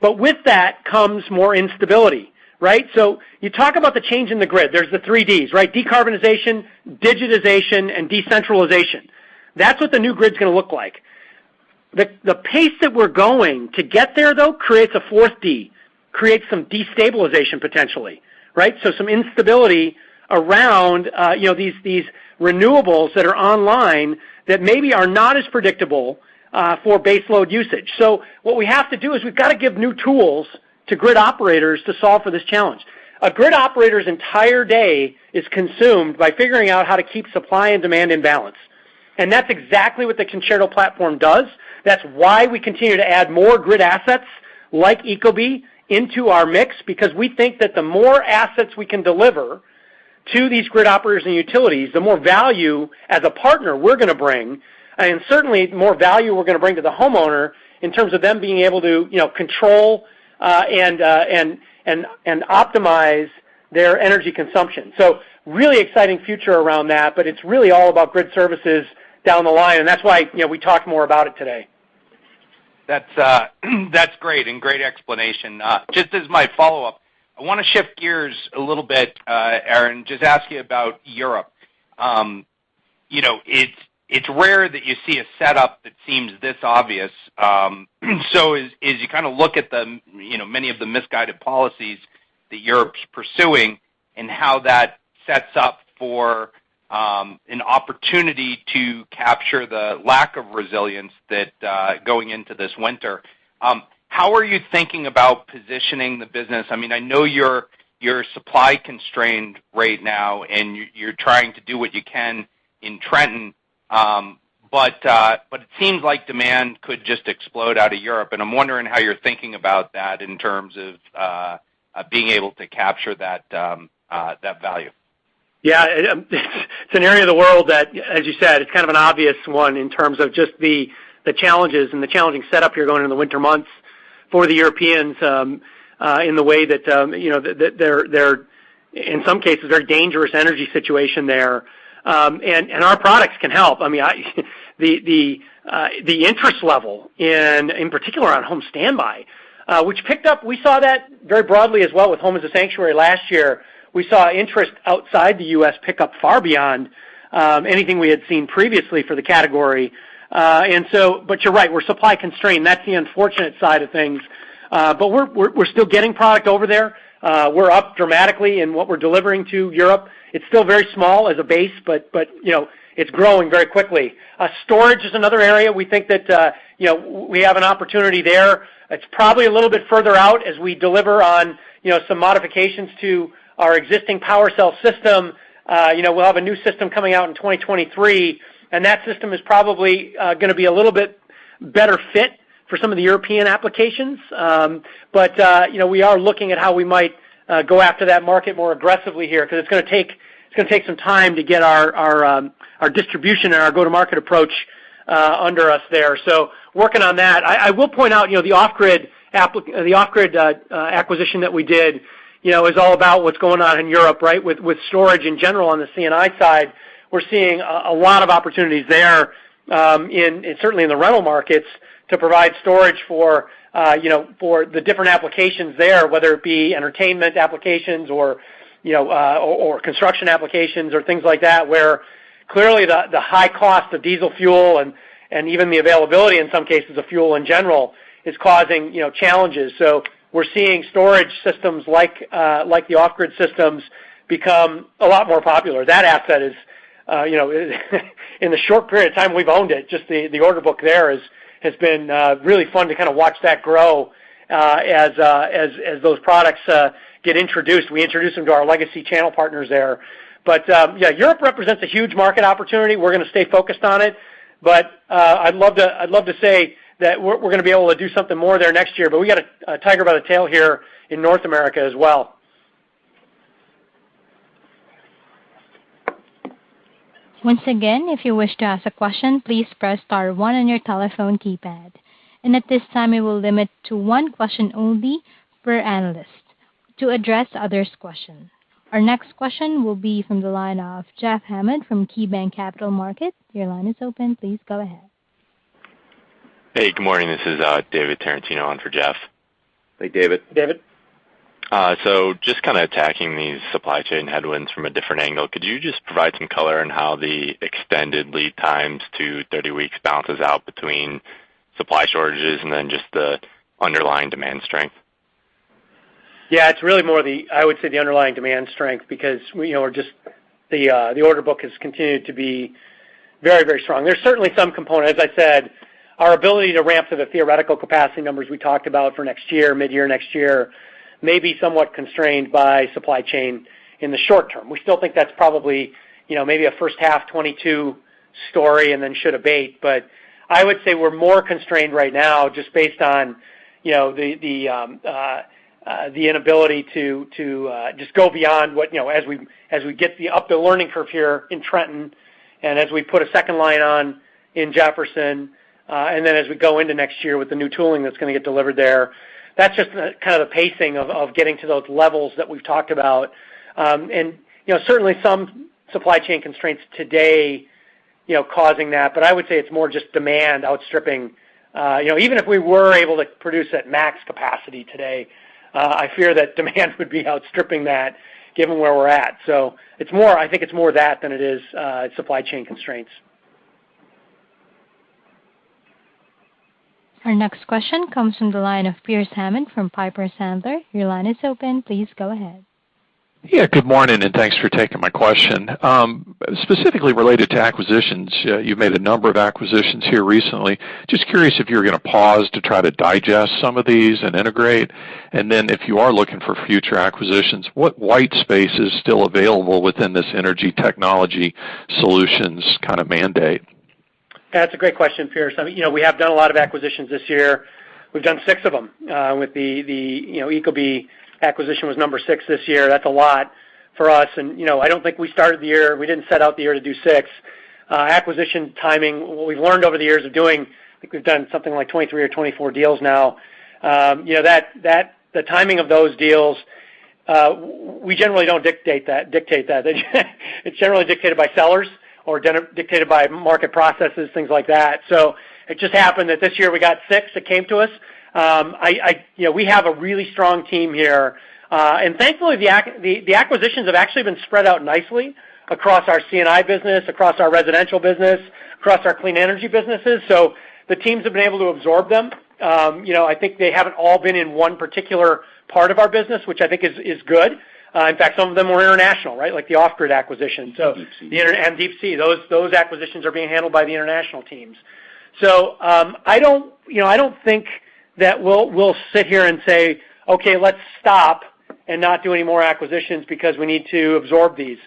But with that comes more instability, right? You talk about the change in the grid. There's the three Ds, right? Decarbonization, digitization, and decentralization. That's what the new grid's going to look like. The pace that we're going to get there, though, creates a fourth D. Creates some destabilization potentially, right? So some instability around, you know, these renewables that are online that maybe are not as predictable for base load usage. So what we have to do is we've got to give new tools to grid operators to solve for this challenge. A grid operator's entire day is consumed by figuring out how to keep supply and demand in balance. That's exactly what the Concerto platform does. That's why we continue to add more grid assets like ecobee into our mix, because we think that the more assets we can deliver to these grid operators and utilities, the more value as a partner we're going to bring, and certainly more value we're going to bring to the homeowner in terms of them being able to, you know, control and optimize their energy consumption. Really exciting future around that, but it's really all about grid services down the line, and that's why, you know, we talked more about it today. That's great explanation. Just as my follow-up, I want to shift gears a little bit, Aaron, just ask you about Europe. You know, it's rare that you see a setup that seems this obvious. As you kind of look at the, you know, many of the misguided policies that Europe's pursuing and how that sets up for an opportunity to capture the lack of resilience that going into this winter, how are you thinking about positioning the business? I mean, I know you're supply constrained right now, and you're trying to do what you can in Trenton. But it seems like demand could just explode out of Europe. I'm wondering how you're thinking about that in terms of being able to capture that value. Yeah. It's an area of the world that, as you said, it's kind of an obvious one in terms of just the challenges and the challenging setup you're going in the winter months for the Europeans, in the way that, you know, they're in some cases, very dangerous energy situation there. Our products can help. I mean, the interest level in particular on home standby, which picked up. We saw that very broadly as well with Home is a Sanctuary last year. We saw interest outside the U.S. pick up far beyond anything we had seen previously for the category. But you're right, we're supply constrained. That's the unfortunate side of things. We're still getting product over there. We're up dramatically in what we're delivering to Europe. It's still very small as a base, you know, it's growing very quickly. Storage is another area we think that, you know, we have an opportunity there. It's probably a little bit further out as we deliver on, you know, some modifications to our existing PWRcell system. We'll have a new system coming out in 2023, and that system is probably going to be a little bit better fit for some of the European applications. We're looking at how we might go after that market more aggressively here, because it's going to take some time to get our distribution and our go-to-market approach underway there. Working on that. I will point out, you know, the Off Grid acquisition that we did, you know, is all about what's going on in Europe, right? With storage in general on the C&I side, we're seeing a lot of opportunities there, certainly in the rental markets to provide storage for, you know, for the different applications there, whether it be entertainment applications or, you know, or construction applications or things like that, where clearly the high cost of diesel fuel and even the availability in some cases of fuel in general is causing, you know, challenges. We're seeing storage systems like the Off Grid systems become a lot more popular. That asset is, you know, in the short period of time we've owned it, just the order book there has been really fun to kind of watch that grow, as those products get introduced. We introduce them to our legacy channel partners there. Yeah, Europe represents a huge market opportunity. We're going to stay focused on it. I'd love to say that we're going to be able to do something more there next year, but we got a tiger by the tail here in North America as well. Once again, if you wish to ask a question, please press star one on your telephone keypad. At this time, we will limit to one question only per analyst to address others' question. Our next question will be from the line of Jeff Hammond from KeyBanc Capital Markets. Your line is open. Please go ahead. Hey, good morning. This is David Tarantino on for Jeff. Hey, David. David. Just kind of attacking these supply chain headwinds from a different angle, could you just provide some color on how the extended lead times to 30 weeks balances out between supply shortages and then just the underlying demand strength? Yeah, it's really more, I would say, the underlying demand strength because we, you know, the order book has continued to be very, very strong. There's certainly some component. As I said, our ability to ramp to the theoretical capacity numbers we talked about for next year, mid-year next year, may be somewhat constrained by supply chain in the short term. We still think that's probably, you know, maybe a first half 2022 story and then should abate. I would say we're more constrained right now just based on, you know, the inability to just go beyond what, you know, as we get up the learning curve here in Trenton and as we put a second line on in Jefferson, and then as we go into next year with the new tooling that's going to get delivered there, that's just the kind of the pacing of getting to those levels that we've talked about. You know, certainly some supply chain constraints today, you know, causing that, but I would say it's more just demand outstripping. You know, even if we were able to produce at max capacity today, I fear that demand would be outstripping that given where we're at. I think it's more that than it is supply chain constraints. Our next question comes from the line of Pearce Hammond from Piper Sandler. Your line is open. Please go ahead. Yeah, good morning, and thanks for taking my question. Specifically related to acquisitions, you've made a number of acquisitions here recently. Just curious if you're going to pause to try to digest some of these and integrate. If you are looking for future acquisitions, what white space is still available within this energy technology solutions kind of mandate? That's a great question, Pearce. I mean, you know, we have done a lot of acquisitions this year. We've done six of them, with the you know, ecobee acquisition was number six this year. That's a lot for us. You know, I don't think we started the year, we didn't set out the year to do six. Acquisition timing, what we've learned over the years of doing, I think we've done something like 23 or 24 deals now. You know, the timing of those deals, we generally don't dictate that. It's generally dictated by sellers or dictated by market processes, things like that. It just happened that this year we got six that came to us. You know, we have a really strong team here. Thankfully, the acquisitions have actually been spread out nicely across our C&I business, across our residential business, across our clean energy businesses. The teams have been able to absorb them. You know, I think they haven't all been in one particular part of our business, which I think is good. In fact, some of them were international, right? Like the Off Grid acquisition. And Deep Sea. And Deep Sea, those acquisitions are being handled by the international teams. I don't think that we'll sit here and say, "Okay, let's stop and not do any more acquisitions because we need to absorb these."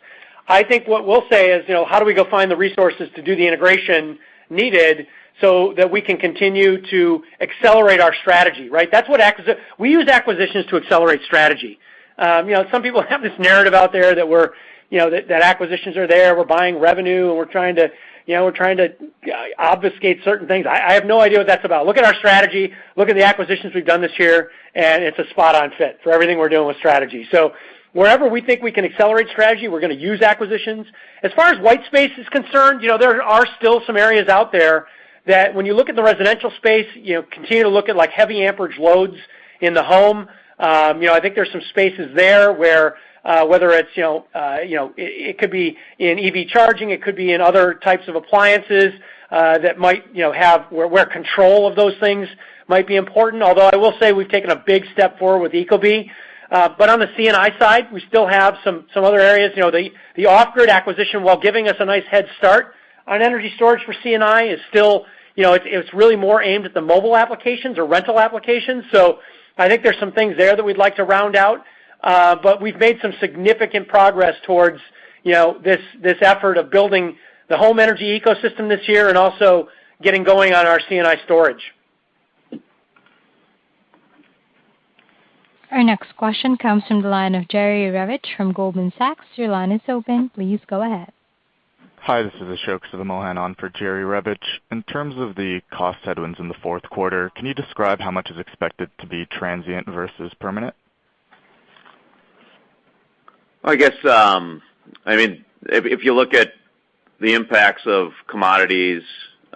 I think what we'll say is, how do we go find the resources to do the integration needed so that we can continue to accelerate our strategy, right? That's what we use acquisitions to accelerate strategy. Some people have this narrative out there that we're that acquisitions are there, we're buying revenue, and we're trying to obfuscate certain things. I have no idea what that's about. Look at our strategy, look at the acquisitions we've done this year, and it's a spot on fit for everything we're doing with strategy. Wherever we think we can accelerate strategy, we're going to use acquisitions. As far as white space is concerned, there are still some areas out there that when you look at the residential space, continue to look at like heavy amperage loads in the home. I think there's some spaces there where whether it's it could be in EV charging, it could be in other types of appliances that might have where control of those things might be important. Although I will say we've taken a big step forward with ecobee. On the C&I side, we still have some other areas. You know, the Off Grid acquisition, while giving us a nice head start on energy storage for C&I, is still, you know, it's really more aimed at the mobile applications or rental applications. I think there's some things there that we'd like to round out. We've made some significant progress towards, you know, this effort of building the home energy ecosystem this year and also getting going on our C&I storage. Our next question comes from the line of Jerry Revich from Goldman Sachs. Your line is open. Please go ahead. Hi, this is Ashok Sivamohan on for Jerry Revich. In terms of the cost headwinds in the fourth quarter, can you describe how much is expected to be transient versus permanent? I guess, I mean, if you look at the impacts of commodities.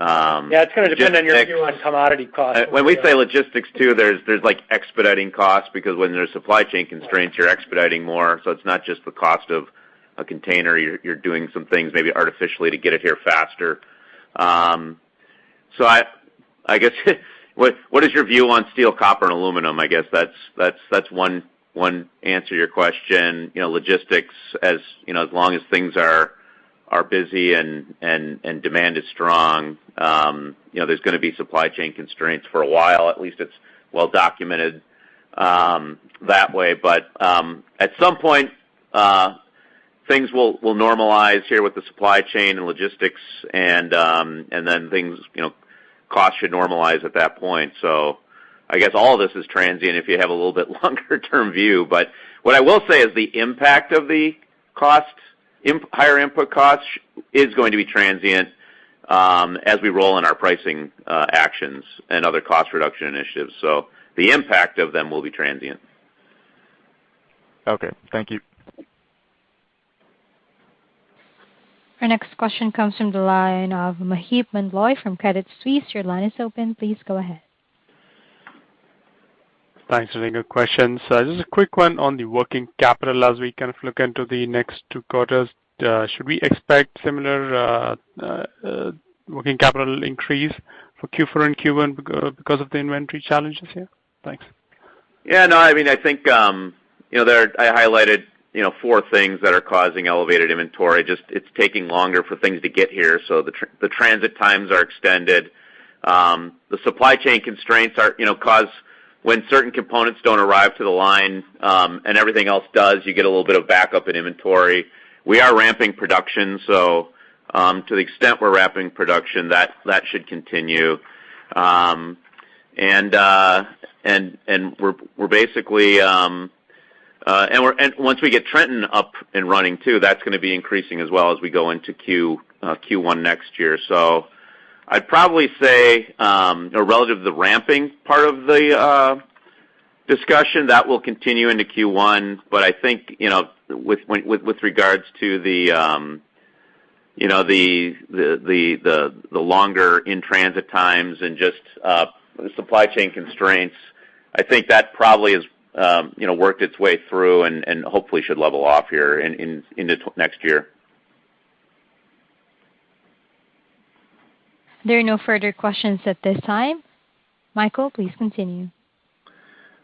Yeah, it's going to depend on your view on commodity costs. When we say logistics too, there's like expediting costs because when there's supply chain constraints, you're expediting more. It's not just the cost of a container. You're doing some things maybe artificially to get it here faster. I guess what is your view on steel, copper and aluminum? I guess that's one answer to your question. You know, logistics, as you know, as long as things are busy and demand is strong, you know, there's going to be supply chain constraints for a while, at least it's well documented, that way. At some point, things will normalize here with the supply chain and logistics and then things, you know, costs should normalize at that point. I guess all this is transient if you have a little bit longer term view. What I will say is the impact of the costs, higher input costs is going to be transient, as we roll in our pricing actions and other cost reduction initiatives. The impact of them will be transient. Okay. Thank you. Our next question comes from the line of Maheep Mandloi from Credit Suisse. Your line is open. Please go ahead. Thanks for the good question. Just a quick one on the working capital as we kind of look into the next two quarters. Should we expect similar working capital increase for Q4 and Q1 because of the inventory challenges here? Thanks. Yeah, no, I mean, I think, you know, I highlighted four things that are causing elevated inventory. It's taking longer for things to get here, so the transit times are extended. The supply chain constraints are, you know, causing when certain components don't arrive to the line, and everything else does, you get a little bit of backup in inventory. We are ramping production, so to the extent we're ramping production, that should continue, and once we get Trenton up and running too, that's going to be increasing as well as we go into Q1 next year. I'd probably say, you know, relative to the ramping part of the discussion, that will continue into Q1. I think, you know, with regards to the longer in-transit times and just the supply chain constraints, I think that probably has, you know, worked its way through and hopefully should level off here in the next year. There are no further questions at this time. Michael, please continue.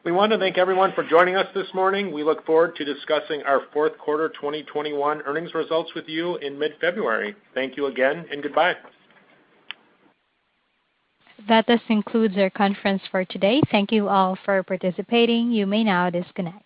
We want to thank everyone for joining us this morning. We look forward to discussing our fourth quarter 2021 earnings results with you in mid-February. Thank you again, and goodbye. That does conclude our conference for today. Thank you all for participating. You may now disconnect.